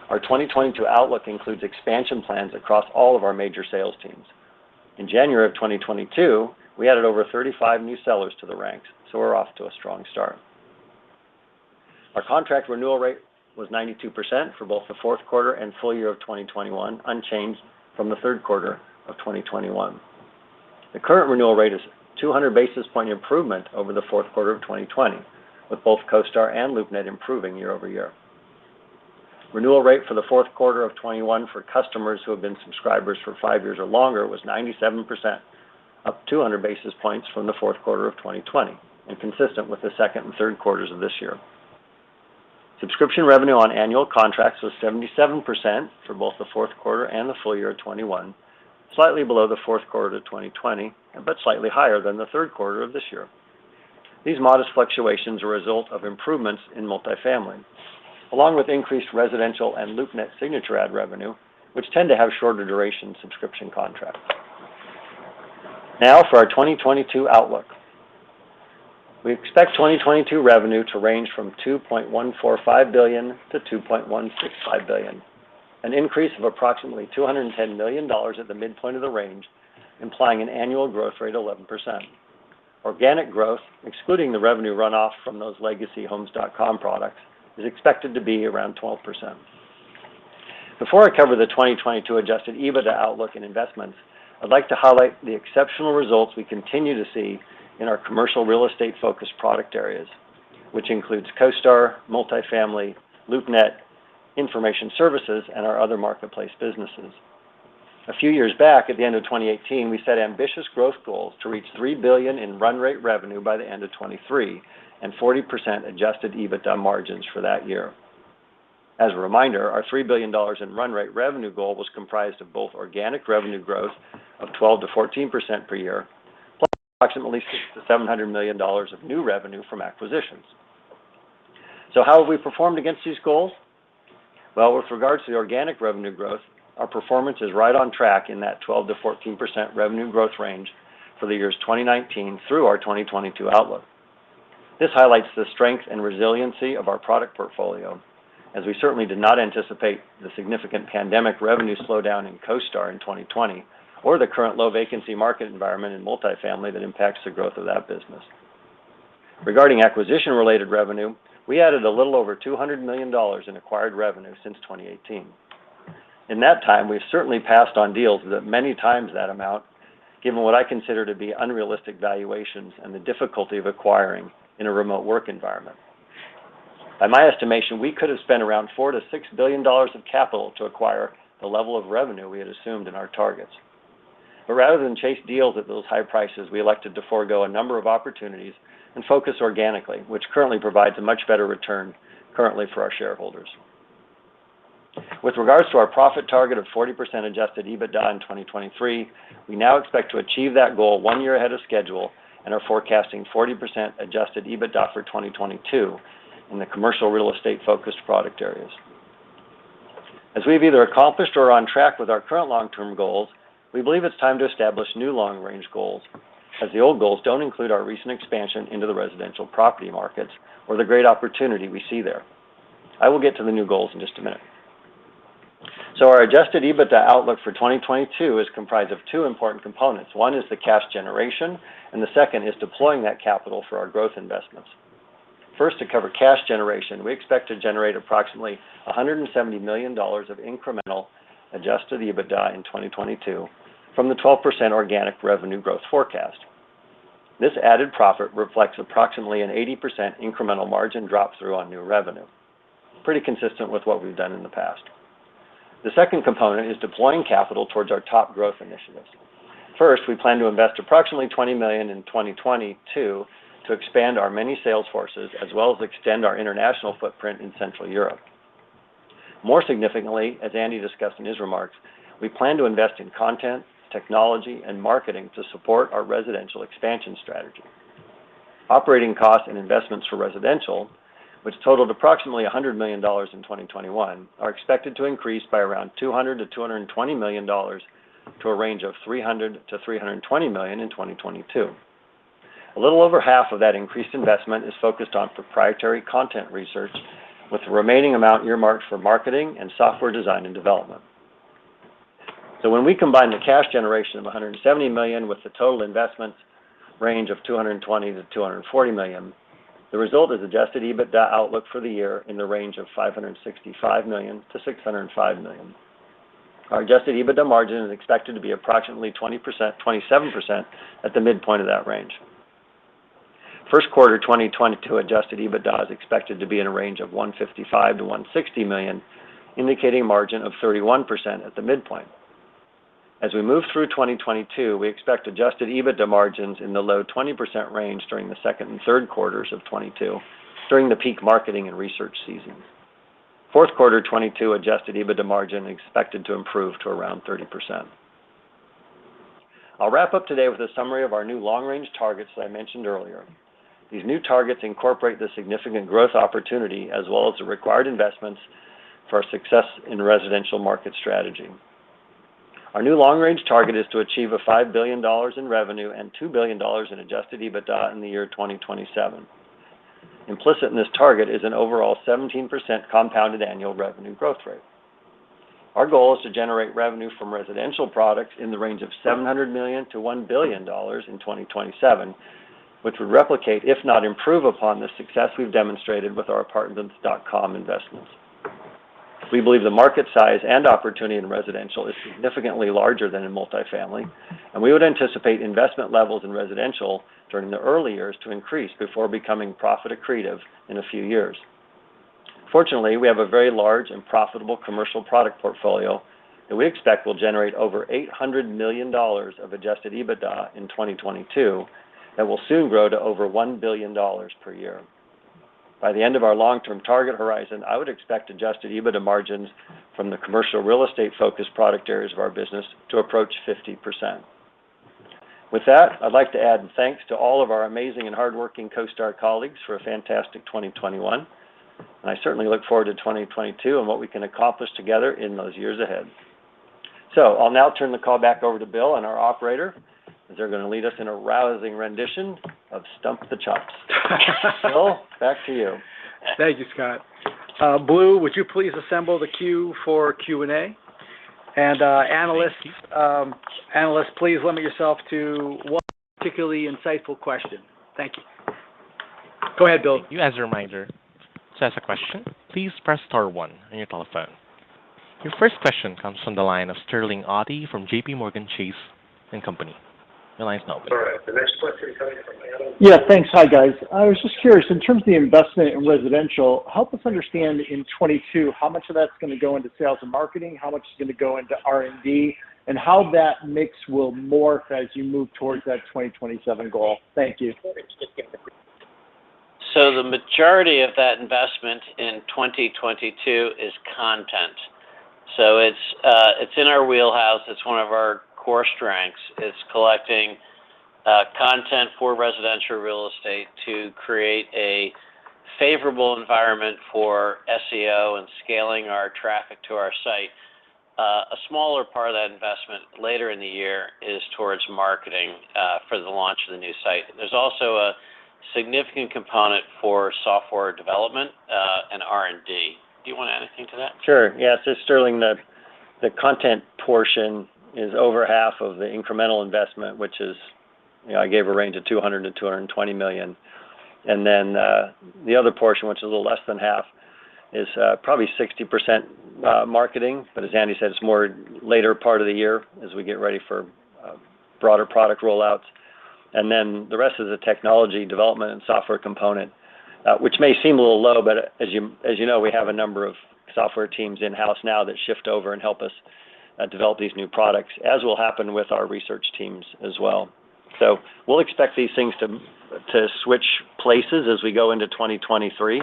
our 2022 outlook includes expansion plans across all of our major sales teams. In January of 2022, we added over 35 new sellers to the ranks, so we're off to a strong start. Our contract renewal rate was 92% for both the fourth quarter and full year of 2021, unchanged from the third quarter of 2021.The current renewal rate is 200 basis point improvement over the fourth quarter of 2020, with both CoStar and LoopNet improving year-over-year. Renewal rate for the fourth quarter of 2021 for customers who have been subscribers for five years or longer was 97%, up 200 basis points from the fourth quarter of 2020 and consistent with the second and third quarters of this year. Subscription revenue on annual contracts was 77% for both the fourth quarter and the full year of 2021. Slightly below the fourth quarter of 2020, but slightly higher than the third quarter of this year. These modest fluctuations are a result of improvements in multifamily, along with increased Residential and LoopNet Signature Ad revenue, which tend to have shorter duration subscription contracts. Now, for our 2022 outlook. We expect 2022 revenue to range from $2.145 billion-$2.165 billion, an increase of approximately $210 million at the midpoint of the range, implying an annual growth rate 11%. Organic growth, excluding the revenue runoff from those legacy Homes.com products, is expected to be around 12%. Before I cover the 2022 Adjusted EBITDA outlook and investments, I'd like to highlight the exceptional results we continue to see in our commercial real estate-focused product areas, which includes CoStar, Multifamily, LoopNet, Information Services, and our other Marketplace Businesses. A few years back, at the end of 2018, we set ambitious growth goals to reach $3 billion in run rate revenue by the end of 2023 and 40% Adjusted EBITDA margins for that year. As a reminder, our $3 billion in run rate revenue goal was comprised of both organic revenue growth of 12%-14% per year, plus approximately $600 million-$700 million of new revenue from acquisitions. How have we performed against these goals? Well, with regards to the organic revenue growth, our performance is right on track in that 12%-14% revenue growth range for the years 2019 through our 2022 outlook. This highlights the strength and resiliency of our product portfolio, as we certainly did not anticipate the significant pandemic revenue slowdown in CoStar in 2020 or the current low vacancy market environment in multifamily that impacts the growth of that business. Regarding acquisition-related revenue, we added a little over $200 million in acquired revenue since 2018. In that time, we've certainly passed on deals that many times that amount, given what I consider to be unrealistic valuations and the difficulty of acquiring in a remote work environment. By my estimation, we could have spent around $4 billion-$6 billion of capital to acquire the level of revenue we had assumed in our targets. Rather than chase deals at those high prices, we elected to forego a number of opportunities and focus organically, which currently provides a much better return for our shareholders. With regards to our profit target of 40% Adjusted EBITDA in 2023, we now expect to achieve that goal one year ahead of schedule and are forecasting 40% Adjusted EBITDA for 2022 in the commercial real estate-focused product areas. As we've either accomplished or are on track with our current long-term goals, we believe it's time to establish new long-range goals, as the old goals don't include our recent expansion into the residential property markets or the great opportunity we see there. I will get to the new goals in just a minute. Our Adjusted EBITDA outlook for 2022 is comprised of two important components. One is the cash generation, and the second is deploying that capital for our growth investments. First, to cover cash generation, we expect to generate approximately $170 million of incremental Adjusted EBITDA in 2022 from the 12% organic revenue growth forecast. This added profit reflects approximately an 80% incremental margin drop through on new revenue. Pretty consistent with what we've done in the past. The second component is deploying capital towards our top growth initiatives. First, we plan to invest approximately $20 million in 2022 to expand our many sales forces as well as extend our international footprint in Central Europe. More significantly, as Andy discussed in his remarks, we plan to invest in content, technology, and marketing to support our Residential Expansion Strategy. Operating costs and investments for Residential, which totaled approximately $100 million in 2021, are expected to increase by around $200 million-$220 million to a range of $300 million-$320 million in 2022. A little over half of that increased investment is focused on proprietary content research with the remaining amount earmarked for marketing and software design and development. When we combine the cash generation of $170 million with the total investment range of $220 million-$240 million, the result is Adjusted EBITDA outlook for the year in the range of $565 million-$605 million. Our Adjusted EBITDA margin is expected to be approximately 20%, 27% at the midpoint of that range. First quarter 2022 Adjusted EBITDA is expected to be in a range of $155 million-$160 million, indicating a margin of 31% at the midpoint. As we move through 2022, we expect Adjusted EBITDA margins in the low 20% range during the second and third quarters of 2022 during the peak marketing and research season. Fourth quarter 2022 Adjusted EBITDA margin expected to improve to around 30%.I'll wrap up today with a summary of our new long-range targets that I mentioned earlier. These new targets incorporate the significant growth opportunity as well as the required investments for our success in residential market strategy. Our new long-range target is to achieve $5 billion in revenue and $2 billion in Adjusted EBITDA in the year 2027. Implicit in this target is an overall 17% compounded annual revenue growth rate. Our goal is to generate revenue from Residential products in the range of $700 million-$1 billion in 2027, which would replicate, if not improve upon, the success we've demonstrated with our Apartments.com investments. We believe the market size and opportunity in Residential is significantly larger than in Multifamily, and we would anticipate investment levels in Residential during the early years to increase before becoming profit accretive in a few years. Fortunately, we have a very large and profitable commercial product portfolio that we expect will generate over $800 million of Adjusted EBITDA in 2022 that will soon grow to over $1 billion per year. By the end of our long-term target horizon, I would expect Adjusted EBITDA margins from the commercial real estate-focused product areas of our business to approach 50%. With that, I'd like to add thanks to all of our amazing and hardworking CoStar colleagues for a fantastic 2021, and I certainly look forward to 2022 and what we can accomplish together in those years ahead. I'll now turn the call back over to Bill and our operator, as they're gonna lead us in a rousing rendition of Stump the Chumps. Bill, back to you. Thank you, Scott. Blue, would you please assemble the queue for Q&A? Analysts. Analysts, please limit yourself to one particularly insightful question. Thank you. Go ahead, Blue. Thank you. As a reminder, to ask a question, please press star one on your telephone. Your first question comes from the line of Sterling Auty from JPMorgan Chase & Company. Your line's now open. All right. The next question coming from analyst. Yeah. Thanks. Hi, guys. I was just curious, in terms of the investment in Residential, help us understand in 2022 how much of that's gonna go into sales and marketing, how much is gonna go into R&D, and how that mix will morph as you move towards that 2027 goal. Thank you. The majority of that investment in 2022 is content. It's in our Wheelhouse. It's one of our core strengths is collecting content for residential real estate to create a favorable environment for SEO and scaling our traffic to our site. A smaller part of that investment later in the year is towards marketing for the launch of the new site. There's also a significant component for software development and R&D. Do you want to add anything to that? Sure. Yeah. Sterling, the content portion is over half of the incremental investment, which is, you know, I gave a range of $200 million-$220 million. The other portion, which is a little less than half, is probably 60% marketing, but as Andy said, it's more later part of the year as we get ready for broader product rollouts. Then the rest is the technology development and software component, which may seem a little low, but as you know, we have a number of software teams in-house now that shift over and help us develop these new products, as will happen with our research teams as well. We'll expect these things to switch places as we go into 2023,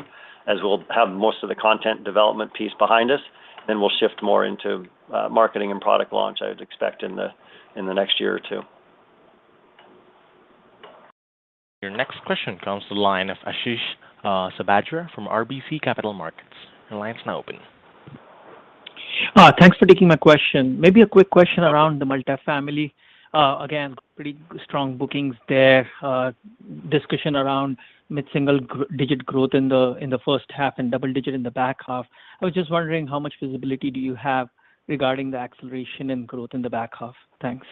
as we'll have most of the content development piece behind us, then we'll shift more into marketing and product launch, I would expect in the next year or two. Your next question comes to the line of Ashish Sabadra from RBC Capital Markets. Your line is now open. Thanks for taking my question. Maybe a quick question around the Multifamily. Again, pretty strong bookings there. Discussion around mid-single digit growth in the first half and double digit in the back half. I was just wondering how much visibility do you have regarding the acceleration and growth in the back half? Thanks.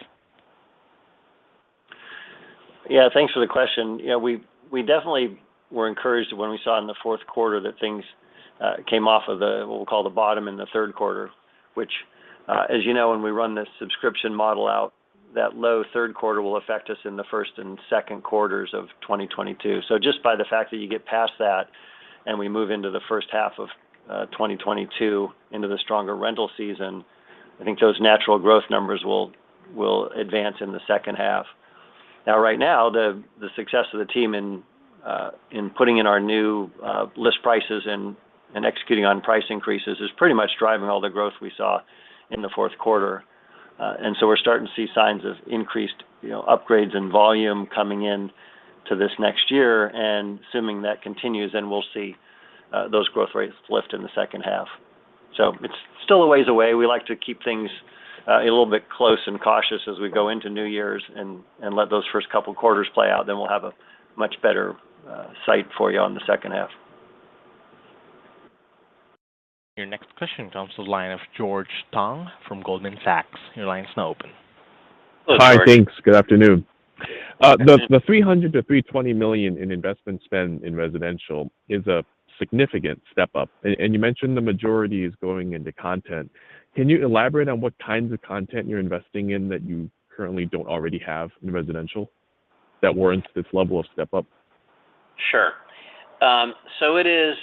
Yeah, thanks for the question. You know, we definitely were encouraged when we saw in the fourth quarter that things came off of the, what we'll call the bottom in the third quarter, which as you know, when we run this subscription model out, that low third quarter will affect us in the first and second quarters of 2022. Just by the fact that you get past that and we move into the first half of 2022 into the stronger rental season, I think those natural growth numbers will advance in the second half. Now, right now, the success of the team in putting in our new list prices and executing on price increases is pretty much driving all the growth we saw in the fourth quarter. We're starting to see signs of increased, you know, upgrades and volume coming into this next year, and assuming that continues, then we'll see those growth rates lift in the second half. So it's still a ways away. We like to keep things a little bit close and cautious as we go into New Year's and let those first couple quarters play out, then we'll have a much better sight for you on the second half. Your next question comes to the line of George Tong from Goldman Sachs. Your line is now open. Hello, George. Hi. Thanks. Good afternoon. And then- The $300 million-$320 million in investment spend in residential is a significant step up. You mentioned the majority is going into content. Can you elaborate on what kinds of content you're investing in that you currently don't already have in residential that warrants this level of step up? Sure. It is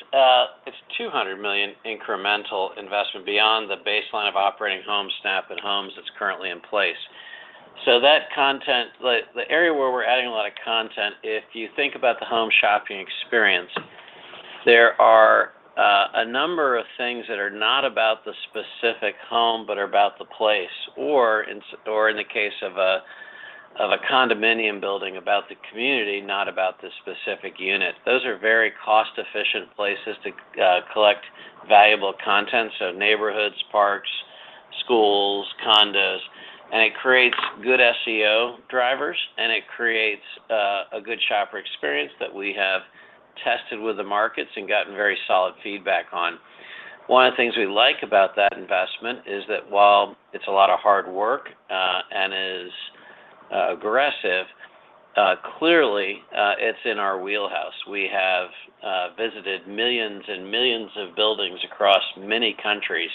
$200 million incremental investment beyond the baseline of operating Homesnap and Homes that's currently in place. That content. The area where we're adding a lot of content, if you think about the home shopping experience, there are a number of things that are not about the specific home, but are about the place or in the case of a condominium building, about the community, not about the specific unit. Those are very cost-efficient places to collect valuable content, so neighborhoods, parks, schools, condos, and it creates good SEO drivers, and it creates a good shopper experience that we have tested with the markets and gotten very solid feedback on. One of the things we like about that investment is that while it's a lot of hard work and is aggressive, clearly it's in our Wheelhouse. We have visited millions and millions of buildings across many countries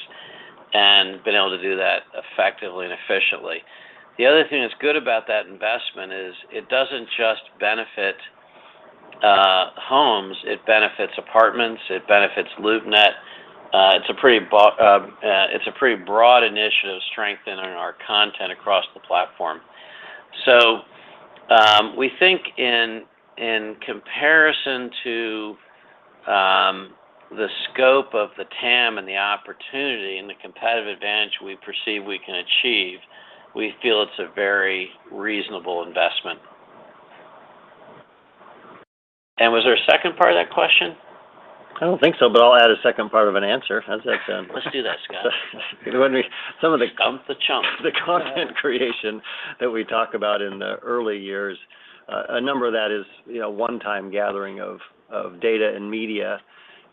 and been able to do that effectively and efficiently. The other thing that's good about that investment is it doesn't just benefit homes, it benefits apartments, it benefits LoopNet. It's a pretty broad initiative strengthening our content across the platform. We think in comparison to the scope of the TAM and the opportunity and the competitive advantage we perceive we can achieve, we feel it's a very reasonable investment. Was there a second part of that question? I don't think so, but I'll add a second part of an answer. How's that sound? Let's do that, Scott. Some of the content creation that we talk about in the early years, a number of that is, you know, one-time gathering of data and media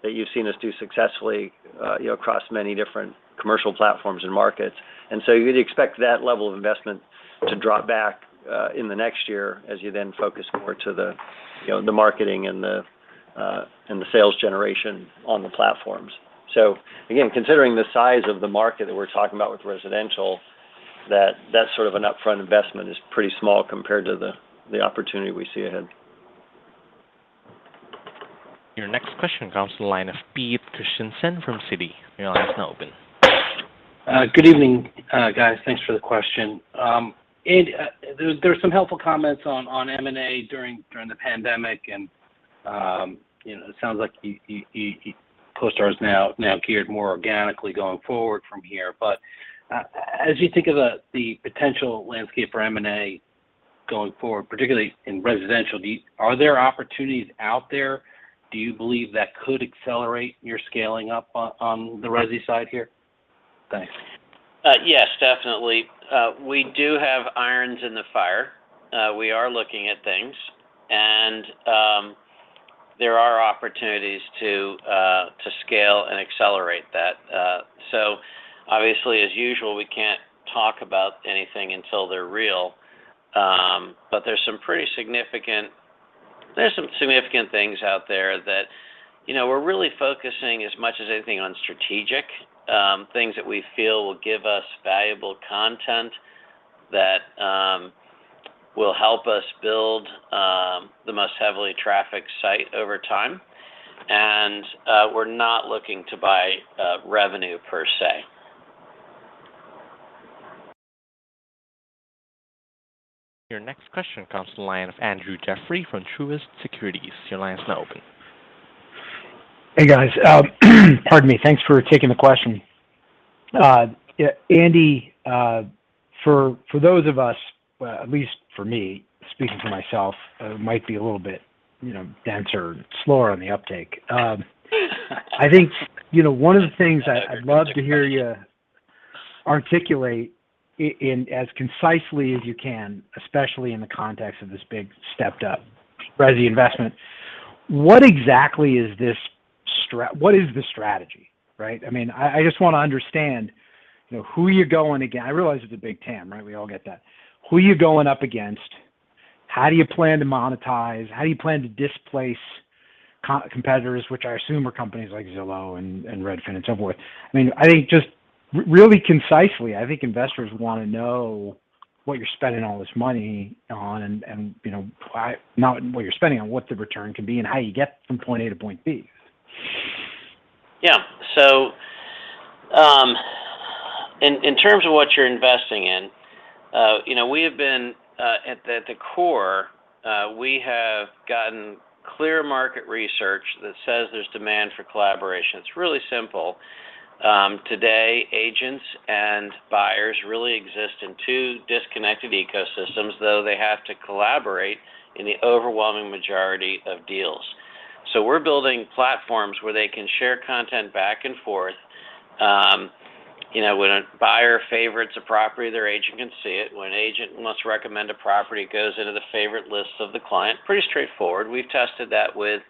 that you've seen us do successfully, you know, across many different commercial platforms and markets. You'd expect that level of investment to drop back in the next year as you then focus more to the, you know, the marketing and the sales generation on the platforms. Again, considering the size of the market that we're talking about with Residential, that sort of an upfront investment is pretty small compared to the opportunity we see ahead. Your next question comes to the line of Peter Christiansen from Citi. Your line is now open. Good evening, guys. Thanks for the question. Andy, there's some helpful comments on M&A during the pandemic, and you know, it sounds like CoStar is now geared more organically going forward from here. As you think about the potential landscape for M&A going forward, particularly in residential, are there opportunities out there, do you believe, that could accelerate your scaling up on the resi side here? Thanks. Yes, definitely. We do have irons in the fire. We are looking at things. To scale and accelerate that. Obviously, as usual, we can't talk about anything until they're real. There's some significant things out there that, you know, we're really focusing as much as anything on strategic things that we feel will give us valuable content that will help us build the most heavily trafficked site over time. We're not looking to buy revenue per se. Your next question comes from the line of Andrew Jeffrey from Truist Securities. Your line is now open. Hey, guys. Pardon me. Thanks for taking the question. Andy, for those of us, at least for me, speaking for myself, might be a little bit, you know, denser, slower on the uptake. I think, you know, one of the things I'd love to hear you articulate in as concisely as you can, especially in the context of this big stepped up resi investment, what exactly is this strategy, right? I mean, I just wanna understand, you know, I realize it's a big TAM, right? We all get that. Who are you going up against? How do you plan to monetize? How do you plan to displace competitors, which I assume are companies like Zillow and Redfin and so forth? I mean, I think just really concisely, I think investors wanna know what you're spending all this money on and, you know, why. Not what you're spending on, what the return can be and how you get from point A to point B. In terms of what you're investing in, you know, at the core, we have gotten clear market research that says there's demand for collaboration. It's really simple. Today, agents and buyers really exist in two disconnected ecosystems, though they have to collaborate in the overwhelming majority of deals. We're building platforms where they can share content back and forth. When a buyer favorites a property, their agent can see it. When an agent must recommend a property, it goes into the favorite list of the client. Pretty straightforward. We've tested that with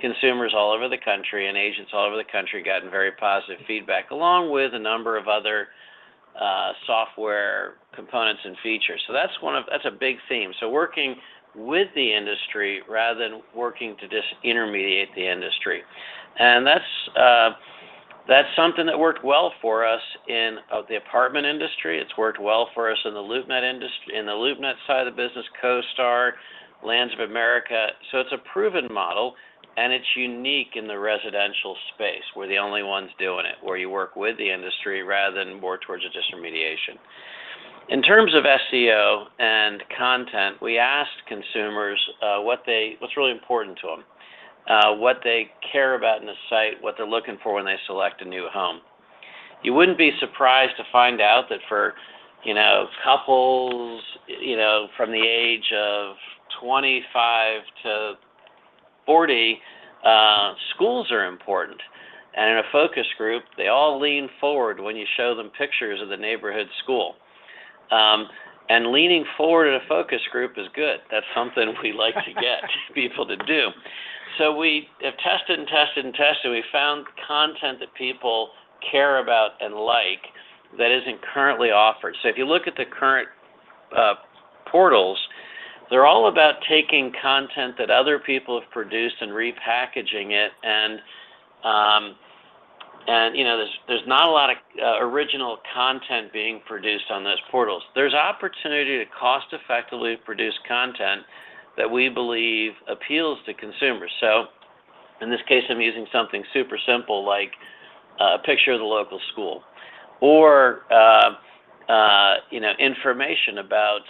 consumers all over the country and agents all over the country, gotten very positive feedback, along with a number of other software components and features. That's a big theme. Working with the industry rather than working to disintermediate the industry. That's something that worked well for us in the apartment industry. It's worked well for us in the LoopNet side of the business, CoStar, Lands of America. It's a proven model, and it's unique in the residential space. We're the only ones doing it, where you work with the industry rather than moving towards a disintermediation. In terms of SEO and content, we asked consumers what's really important to them, what they care about in a site, what they're looking for when they select a new home. You wouldn't be surprised to find out that for couples, you know, from the age of 25-40, schools are important. In a focus group, they all lean forward when you show them pictures of the neighborhood school. Leaning forward in a focus group is good. That's something we like to get people to do. We have tested and tested and tested. We found content that people care about and like that isn't currently offered. If you look at the current portals, they're all about taking content that other people have produced and repackaging it. You know, there's not a lot of original content being produced on those portals. There's opportunity to cost-effectively produce content that we believe appeals to consumers. In this case, I'm using something super simple like a picture of the local school or, you know, information about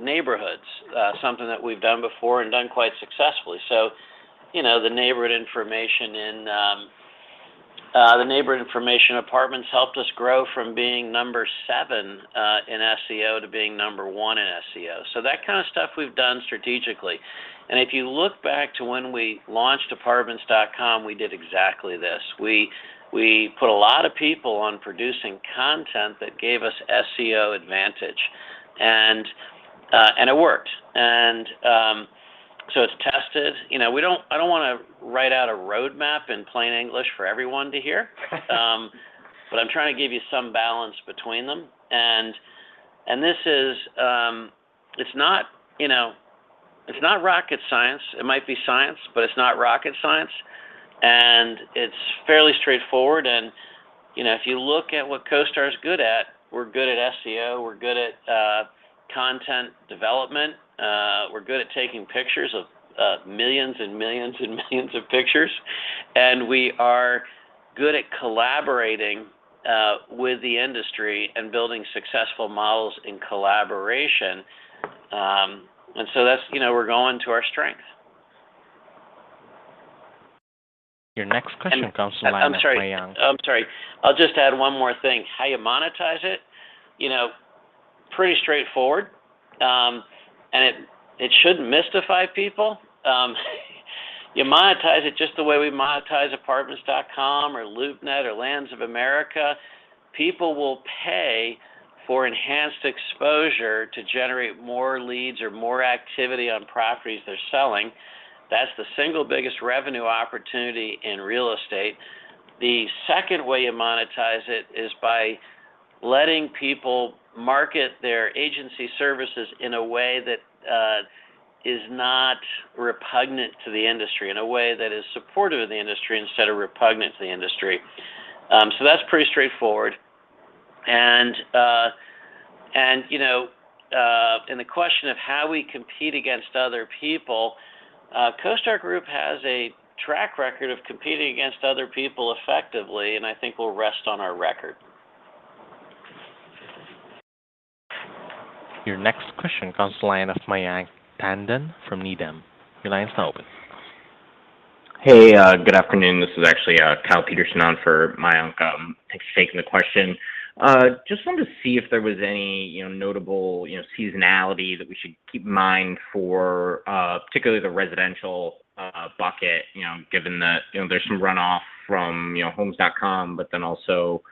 neighborhoods, something that we've done before and done quite successfully. You know, the neighborhood information in apartments helped us grow from being number seven in SEO to being number one in SEO. That kind of stuff we've done strategically. If you look back to when we launched Apartments.com, we did exactly this. We put a lot of people on producing content that gave us SEO advantage. It worked. It's tested. You know, we don't. I don't wanna write out a roadmap in plain English for everyone to hear, but I'm trying to give you some balance between them. This is. It's not, you know, it's not rocket science. It might be science, but it's not rocket science, and it's fairly straightforward. You know, if you look at what CoStar is good at, we're good at SEO, we're good at content development, we're good at taking pictures of millions and millions and millions of pictures, and we are good at collaborating with the industry and building successful models in collaboration. That's, you know, we're going to our strength. Your next question comes from the line of Ryan Tomasello. I'm sorry. I'll just add one more thing. How you monetize it? You know, pretty straightforward. It shouldn't mystify people. You monetize it just the way we monetize Apartments.com or LoopNet or Lands of America. People will pay for enhanced exposure to generate more leads or more activity on properties they're selling. That's the single biggest revenue opportunity in real estate. The second way you monetize it is by letting people market their agency services in a way that is not repugnant to the industry, in a way that is supportive of the industry instead of repugnant to the industry. That's pretty straightforward. You know, the question of how we compete against other people. CoStar Group has a track record of competing against other people effectively, and I think we'll rest on our record. Your next question comes from the line of Mayank Tandon from Needham. Your line is now open. Hey, good afternoon. This is actually Kyle Peterson on for Mayank. Thanks for taking the question. Just wanted to see if there was any, you know, notable, you know, seasonality that we should keep in mind for particularly the residential bucket, you know, given that, you know, there's some runoff from Homes.com, but then also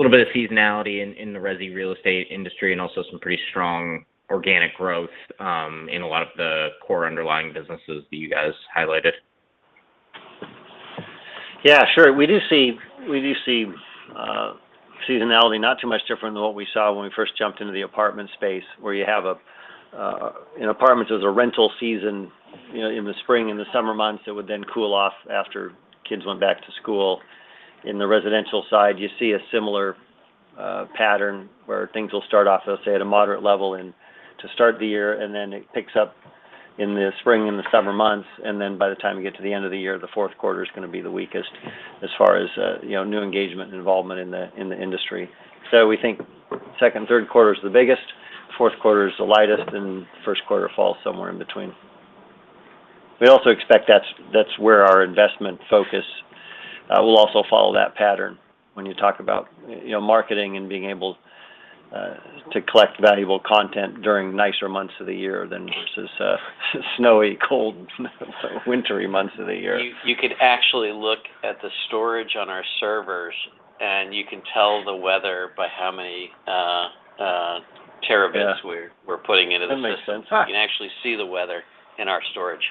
a little bit of seasonality in the resi real estate industry and also some pretty strong organic growth in a lot of the core underlying businesses that you guys highlighted. Yeah, sure. We do see seasonality not too much different than what we saw when we first jumped into the apartment space. In apartments, there's a rental season, you know, in the spring and the summer months that would then cool off after kids went back to school. In the Residential side, you see a similar pattern where things will start off, let's say, at a moderate level to start the year, and then it picks up in the spring and the summer months, and then by the time you get to the end of the year, the fourth quarter is gonna be the weakest as far as you know, new engagement and involvement in the industry. We think second, third quarter is the biggest, fourth quarter is the lightest, and first quarter falls somewhere in between. We also expect that's where our investment focus will also follow that pattern when you talk about, you know, marketing and being able to collect valuable content during nicer months of the year than versus snowy, cold, wintry months of the year. You could actually look at the storage on our servers and you can tell the weather by how many terabits. Yeah We're putting into the system. That makes sense. Huh. You can actually see the weather in our storage.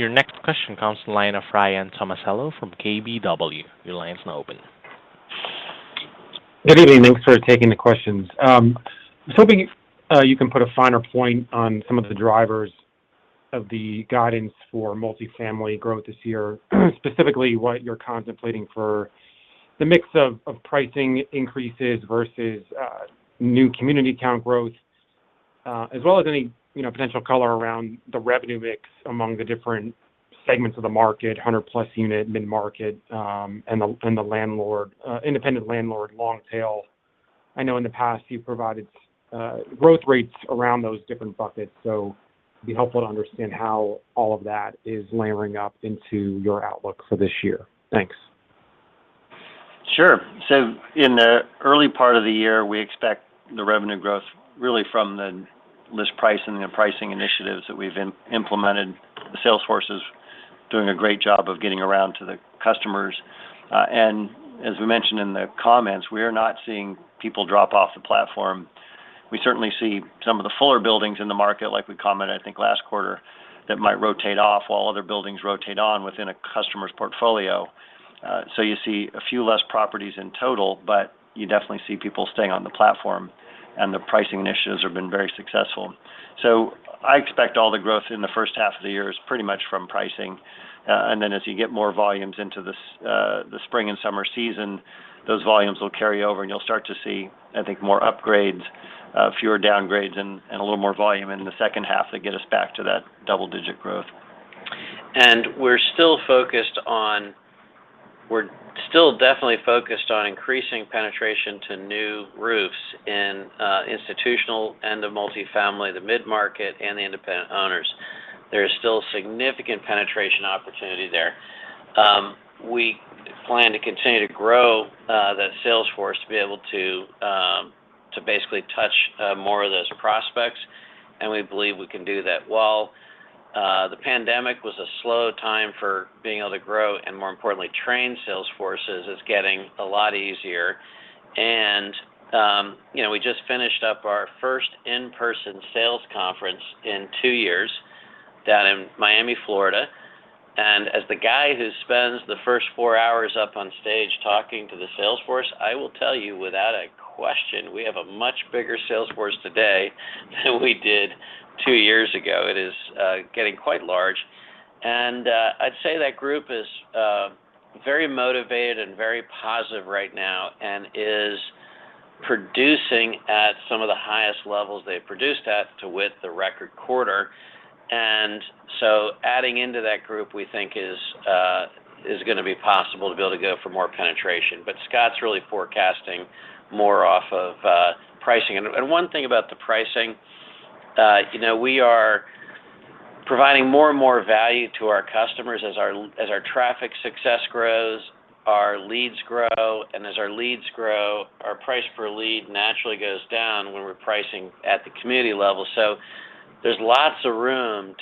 Your next question comes from the line of Ryan Tomasello from KBW. Your line is now open. Good evening. Thanks for taking the questions. I was hoping you can put a finer point on some of the drivers of the guidance for multifamily growth this year, specifically what you're contemplating for the mix of pricing increases versus new community count growth. As well as any, you know, potential color around the revenue mix among the different segments of the market, 100 + unit, mid-market, and the landlord independent landlord long tail. I know in the past you've provided growth rates around those different buckets, so it'd be helpful to understand how all of that is layering up into your outlook for this year. Thanks. Sure. In the early part of the year, we expect the revenue growth really from the list pricing and the pricing initiatives that we've implemented. The sales force is doing a great job of getting around to the customers. As we mentioned in the comments, we are not seeing people drop off the platform. We certainly see some of the fuller buildings in the market, like we commented I think last quarter, that might rotate off while other buildings rotate on within a customer's portfolio. You see a few less properties in total, but you definitely see people staying on the platform, and the pricing initiatives have been very successful. I expect all the growth in the first half of the year is pretty much from pricing. As you get more volumes into the spring and summer season, those volumes will carry over and you'll start to see, I think, more upgrades, fewer downgrades and a little more volume in the second half to get us back to that double-digit growth. We're still definitely focused on increasing penetration to new users in Institutional and the Multifamily, the Midmarket, and the Independent Owners. There is still significant penetration opportunity there. We plan to continue to grow that sales force to be able to basically touch more of those prospects, and we believe we can do that. While the pandemic was a slow time for being able to grow and more importantly, train sales forces, it's getting a lot easier. You know, we just finished up our first in-person sales conference in two years down in Miami, Florida. As the guy who spends the first four hours up on stage talking to the sales force, I will tell you without a question, we have a much bigger sales force today than we did two years ago.It is getting quite large. I'd say that group is very motivated and very positive right now and is producing at some of the highest levels they've produced at to wit the record quarter. Adding into that group, we think is gonna be possible to be able to go for more penetration. Scott's really forecasting more off of pricing. One thing about the pricing, you know, we are providing more and more value to our customers. As our traffic success grows, our leads grow. As our leads grow, our price per lead naturally goes down when we're pricing at the community level. There's lots of room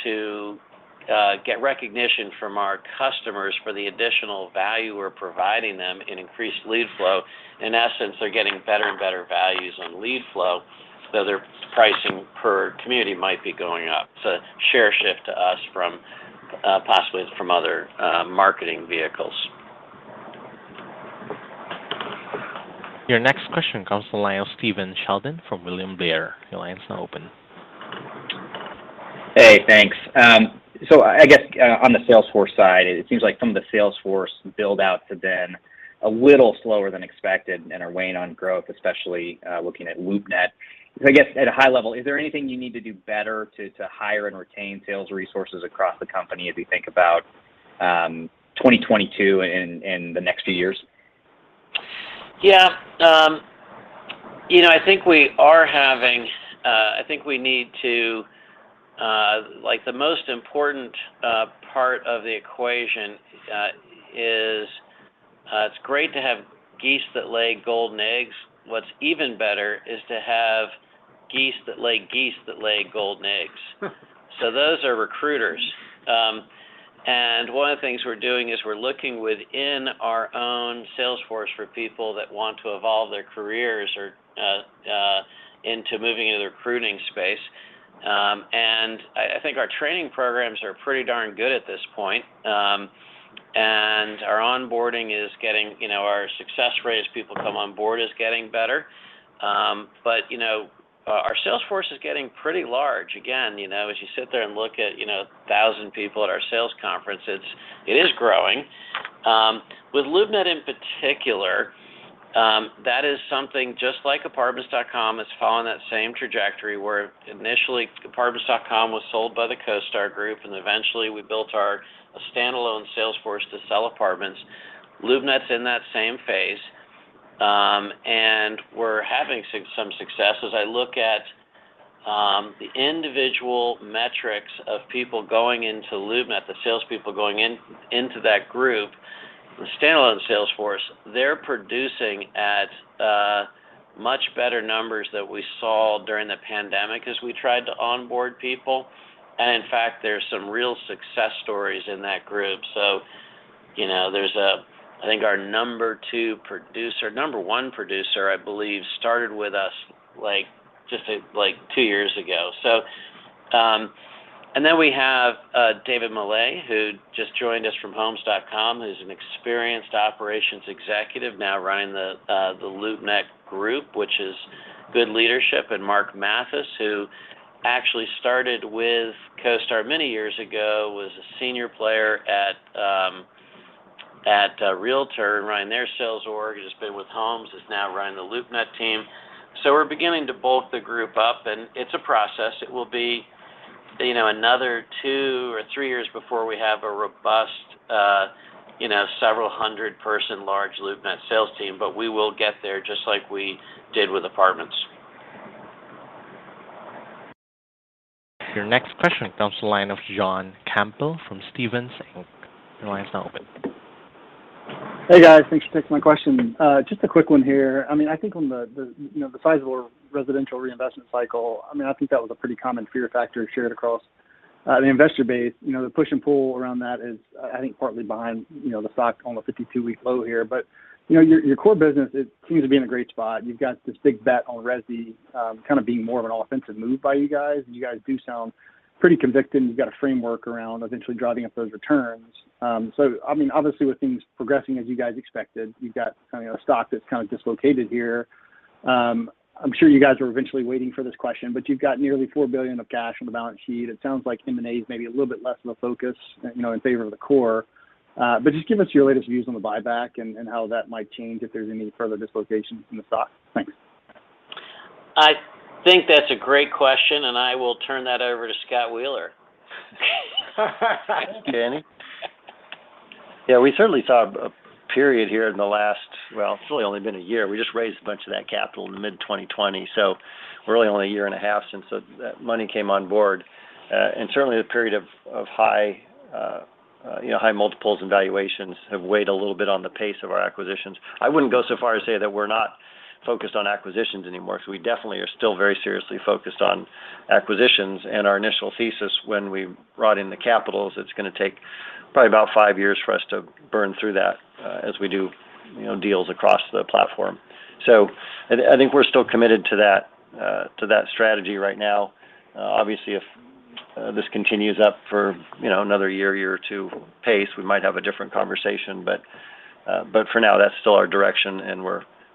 to get recognition from our customers for the additional value we're providing them in increased lead flow. In essence, they're getting better and better values on lead flow, so their pricing per community might be going up. It's a share shift to us from possibly other marketing vehicles. Your next question comes from the line of Stephen Sheldon from William Blair. Your line's now open. Hey, thanks. I guess on the sales force side, it seems like some of the sales force build-outs have been a little slower than expected and are weighing on growth, especially looking at LoopNet. I guess at a high level, is there anything you need to do better to hire and retain sales resources across the company as we think about 2022 and the next few years? Yeah. You know, like the most important part of the equation is, it's great to have geese that lay golden eggs. What's even better is to have geese that lay geese that lay golden eggs. So those are recruiters. One of the things we're doing is we're looking within our own sales force for people that want to evolve their careers or into moving into the recruiting space. I think our training programs are pretty darn good at this point. Our onboarding is getting better. You know, our success rate as people come on board is getting better. You know, our sales force is getting pretty large. Again, you know, as you sit there and look at, you know, thousand people at our sales conference, it is growing. With LoopNet in particular, that is something just like Apartments.com has followed that same trajectory where initially Apartments.com was sold by the CoStar Group, and eventually we built our standalone sales force to sell apartments. LoopNet's in that same phase. We're having some success. As I look at the individual metrics of people going into LoopNet, the sales people going in, into that group, the standalone sales force, they're producing at much better numbers that we saw during the pandemic as we tried to onboard people. In fact, there's some real success stories in that group. You know, there's I think our number one producer, I believe, started with us just like two years ago. And then we have David Mele, who just joined us from Homes.com, who's an experienced operations executive now running the LoopNet group, which is good leadership. Mark Mathis, who actually started with CoStar many years ago, was a senior player at Realtor.com and ran their sales org, has been with Homes, is now running the LoopNet team. We're beginning to bulk the group up, and it's a process. It will be, you know, another two or three years before we have a robust, you know, several hundred-person large LoopNet sales team, but we will get there just like we did with apartments. Your next question comes from the line of John Campbell from Stephens. Your line is now open. Hey, guys. Thanks for taking my question. Just a quick one here. I mean, I think on the you know, the size of our Residential reinvestment cycle. I mean, I think that was a pretty common fear factor shared across the investor base. You know, the push and pull around that is, I think partly behind, you know, the stock on the 52-week low here. You know, your core business is seems to be in a great spot. You've got this big bet on resi kind of being more of an offensive move by you guys, and you guys do sound pretty convicted, and you've got a framework around eventually driving up those returns. I mean, obviously with things progressing as you guys expected, you've got kind of a stock that's kind of dislocated here. I'm sure you guys are anxiously waiting for this question, but you've got nearly $4 billion of cash on the balance sheet. It sounds like M&A is maybe a little bit less of a focus, you know, in favor of the core. Just give us your latest views on the buyback and how that might change if there's any further dislocations in the stock. Thanks. I think that's a great question, and I will turn that over to Scott Wheeler. Thank you, Andy. Yeah, we certainly saw a period here. Well, it's really only been a year. We just raised a bunch of that capital in mid-2020, so we're really only a year and a half since that money came on board. Certainly the period of high, you know, high multiples and valuations have weighed a little bit on the pace of our acquisitions. I wouldn't go so far as to say that we're not focused on acquisitions anymore, so we definitely are still very seriously focused on acquisitions. Our initial thesis when we brought in the capital is it's gonna take probably about five years for us to burn through that, as we do, you know, deals across the platform. I think we're still committed to that strategy right now. Obviously if this continues up for, you know, another year or two pace, we might have a different conversation. For now, that's still our direction, and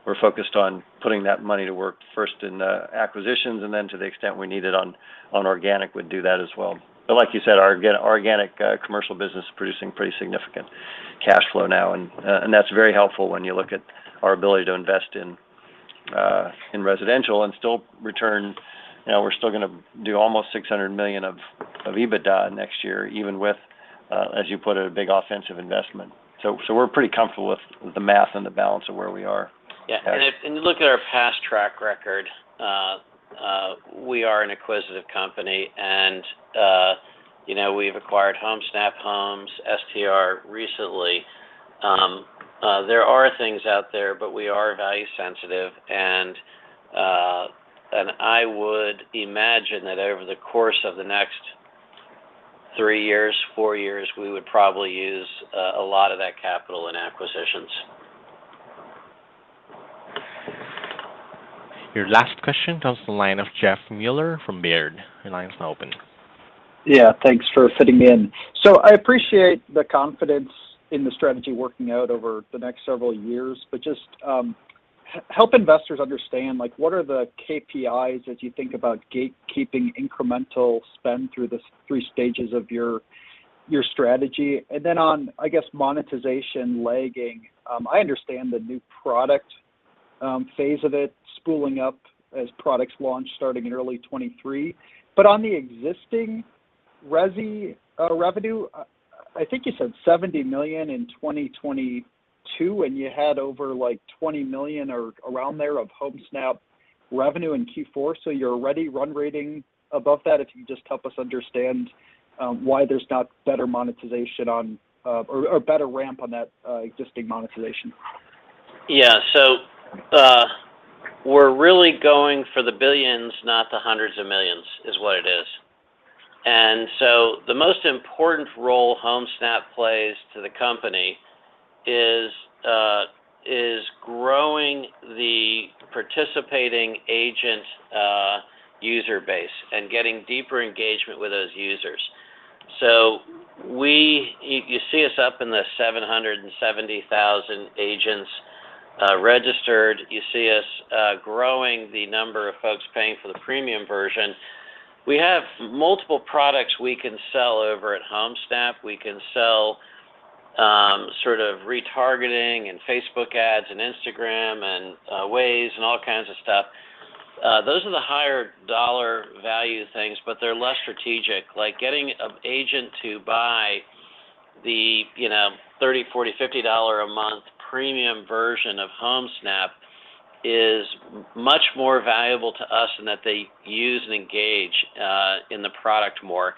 we're focused on putting that money to work first in acquisitions, and then to the extent we need it on organic, we'd do that as well. Like you said, our organic commercial business is producing pretty significant cash flow now and that's very helpful when you look at our ability to invest in residential and still return. You know, we're still gonna do almost 600 million of EBITDA next year, even with as you put it, a big offensive investment. So we're pretty comfortable with the math and the balance of where we are. If you look at our past track record, we are an acquisitive company and, you know, we've acquired Homesnap recently. There are things out there, but we are value sensitive and I would imagine that over the course of the next three years, four years, we would probably use a lot of that capital in acquisitions. Your last question comes from the line of Jeff Meuler from Baird. Your line is now open. Yeah, thanks for fitting me in. I appreciate the confidence in the strategy working out over the next several years, but just help investors understand, like what are the KPIs as you think about gate-keeping incremental spend through the three stages of your strategy. On, I guess monetization lagging, I understand the new product phase of it spooling up as products launch starting in early 2023. On the existing resi revenue, I think you said $70 million in 2022, and you had over like $20 million or around there of Homesnap revenue in Q4. You're already run-rate above that. If you could just help us understand why there's not better monetization on or better ramp on that existing monetization. Yeah, we're really going for the billions, not the hundreds of millions, is what it is. The most important role Homesnap plays to the company is growing the participating agent user base and getting deeper engagement with those users. You see us up in the 770,000 agents registered. You see us growing the number of folks paying for the premium version. We have multiple products we can sell over at Homesnap. We can sell sort of retargeting and Facebook ads and Instagram and Waze and all kinds of stuff. Those are the higher dollar value things, but they're less strategic. Like getting an agent to buy the, you know, $30, $40, $50 a month premium version of Homesnap is much more valuable to us in that they use and engage in the product more.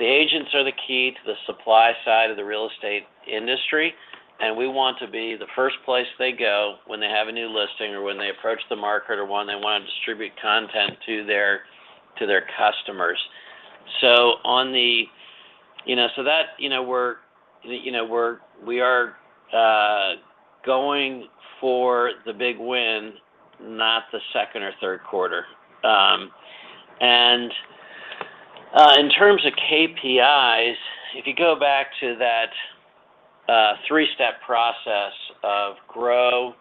The agents are the key to the supply side of the real estate industry, and we want to be the first place they go when they have a new listing or when they approach the market, or when they wanna distribute content to their customers. You know, we're going for the big win, not the second or third quarter. In terms of KPIs, if you go back to that three-step process of grow,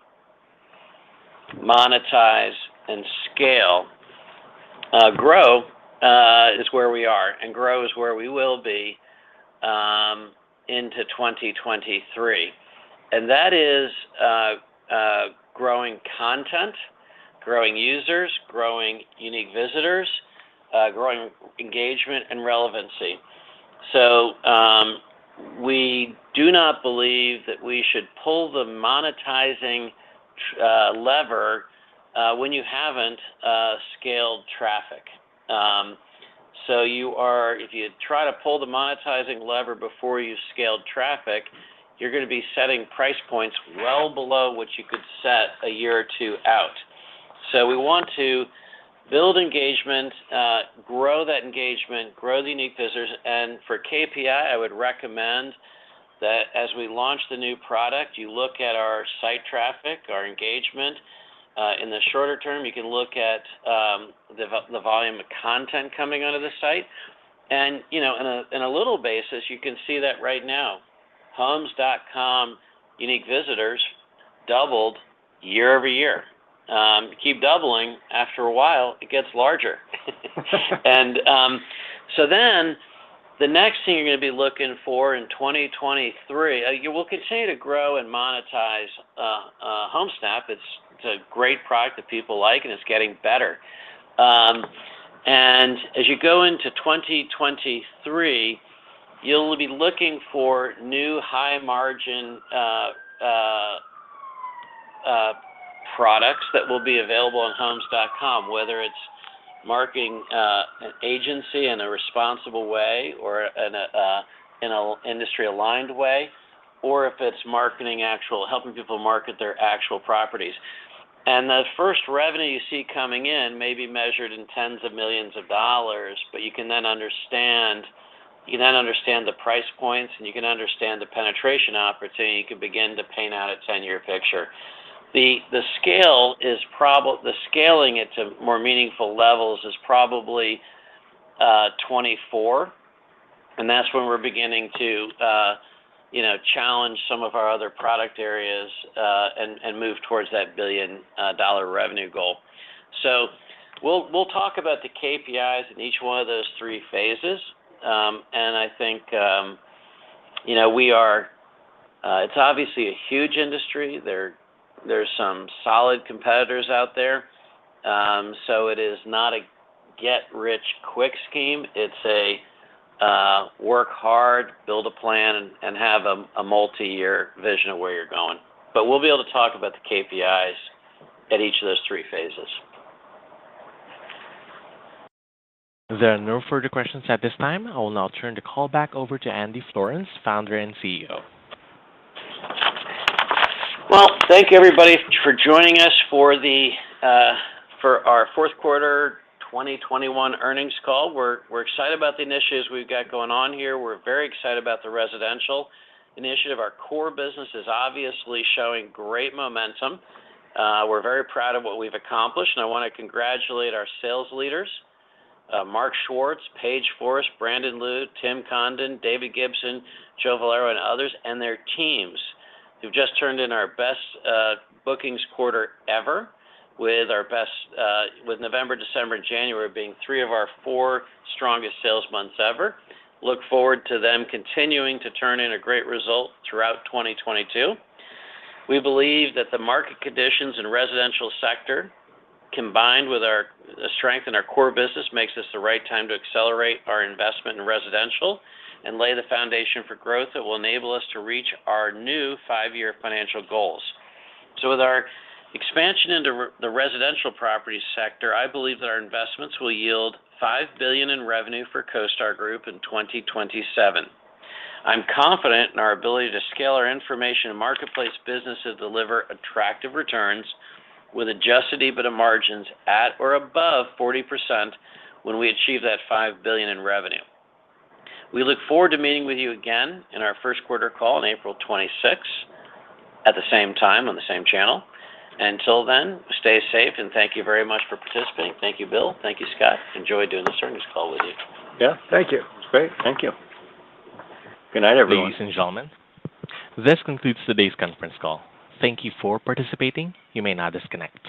monetize, and scale, grow is where we are and grow is where we will be into 2023. That is growing content, growing users, growing unique visitors, growing engagement and relevancy. We do not believe that we should pull the monetizing lever when you haven't scaled traffic. If you try to pull the monetizing lever before you've scaled traffic, you're gonna be setting price points well below what you could set a year or two out. We want to build engagement, grow that engagement, grow the unique visitors. For KPI, I would recommend that as we launch the new product, you look at our site traffic, our engagement. In the shorter term, you can look at the volume of content coming out of the site. You know, in a little bit, you can see that right now, Homes.com unique visitors doubled year-over-year. Keep doubling, after a while, it gets larger. The next thing you're gonna be looking for in 2023 you will continue to grow and monetize Homesnap. It's a great product that people like, and it's getting better. As you go into 2023, you'll be looking for new high margin products that will be available on Homes.com, whether it's marketing an agency in a responsible way or in an industry aligned way, or if it's marketing helping people market their actual properties. The first revenue you see coming in may be measured in tens of millions of dollars, but you can then understand the price points, and you can understand the penetration opportunity, and you can begin to paint out a 10-year picture. The scaling it to more meaningful levels is probably 24, and that's when we're beginning to you know, challenge some of our other product areas, and move towards that $1 billion revenue goal. We'll talk about the KPIs in each one of those three phases. I think you know, we are. It's obviously a huge industry. There's some solid competitors out there. It is not a get rich quick scheme. It's a work hard, build a plan, and have a multi-year vision of where you're going. We'll be able to talk about the KPIs at each of those three phases. There are no further questions at this time. I will now turn the call back over to Andy Florance, Founder and CEO. Well, thank you everybody for joining us for our fourth quarter 2021 earnings call. We're excited about the initiatives we've got going on here. We're very excited about the Residential initiative. Our core business is obviously showing great momentum. We're very proud of what we've accomplished, and I wanna congratulate our sales leaders, Mark Schwartz, Paige Forrest, Brandon Lewe, Tim Condon, David Gibson, Joe Valerio, and others, and their teams, who've just turned in our best bookings quarter ever with November, December, and January being three of our four strongest sales months ever. Look forward to them continuing to turn in a great result throughout 2022. We believe that the market conditions in residential sector, combined with our strength in our core business, makes this the right time to accelerate our investment in Residential and lay the foundation for growth that will enable us to reach our new five-year financial goals. With our expansion into the residential property sector, I believe that our investments will yield $5 billion in revenue for CoStar Group in 2027. I'm confident in our ability to scale our information and marketplace business to deliver attractive returns with Adjusted EBITDA margins at or above 40% when we achieve that $5 billion in revenue. We look forward to meeting with you again in our first quarter call on April 26 at the same time on the same channel. Until then, stay safe, and thank you very much for participating. Thank you, Bill. Thank you, Scott. Enjoyed doing this earnings call with you. Yeah. Thank you. It's great. Thank you. Good night, everyone. Ladies and gentlemen, this concludes today's conference call. Thank you for participating. You may now disconnect.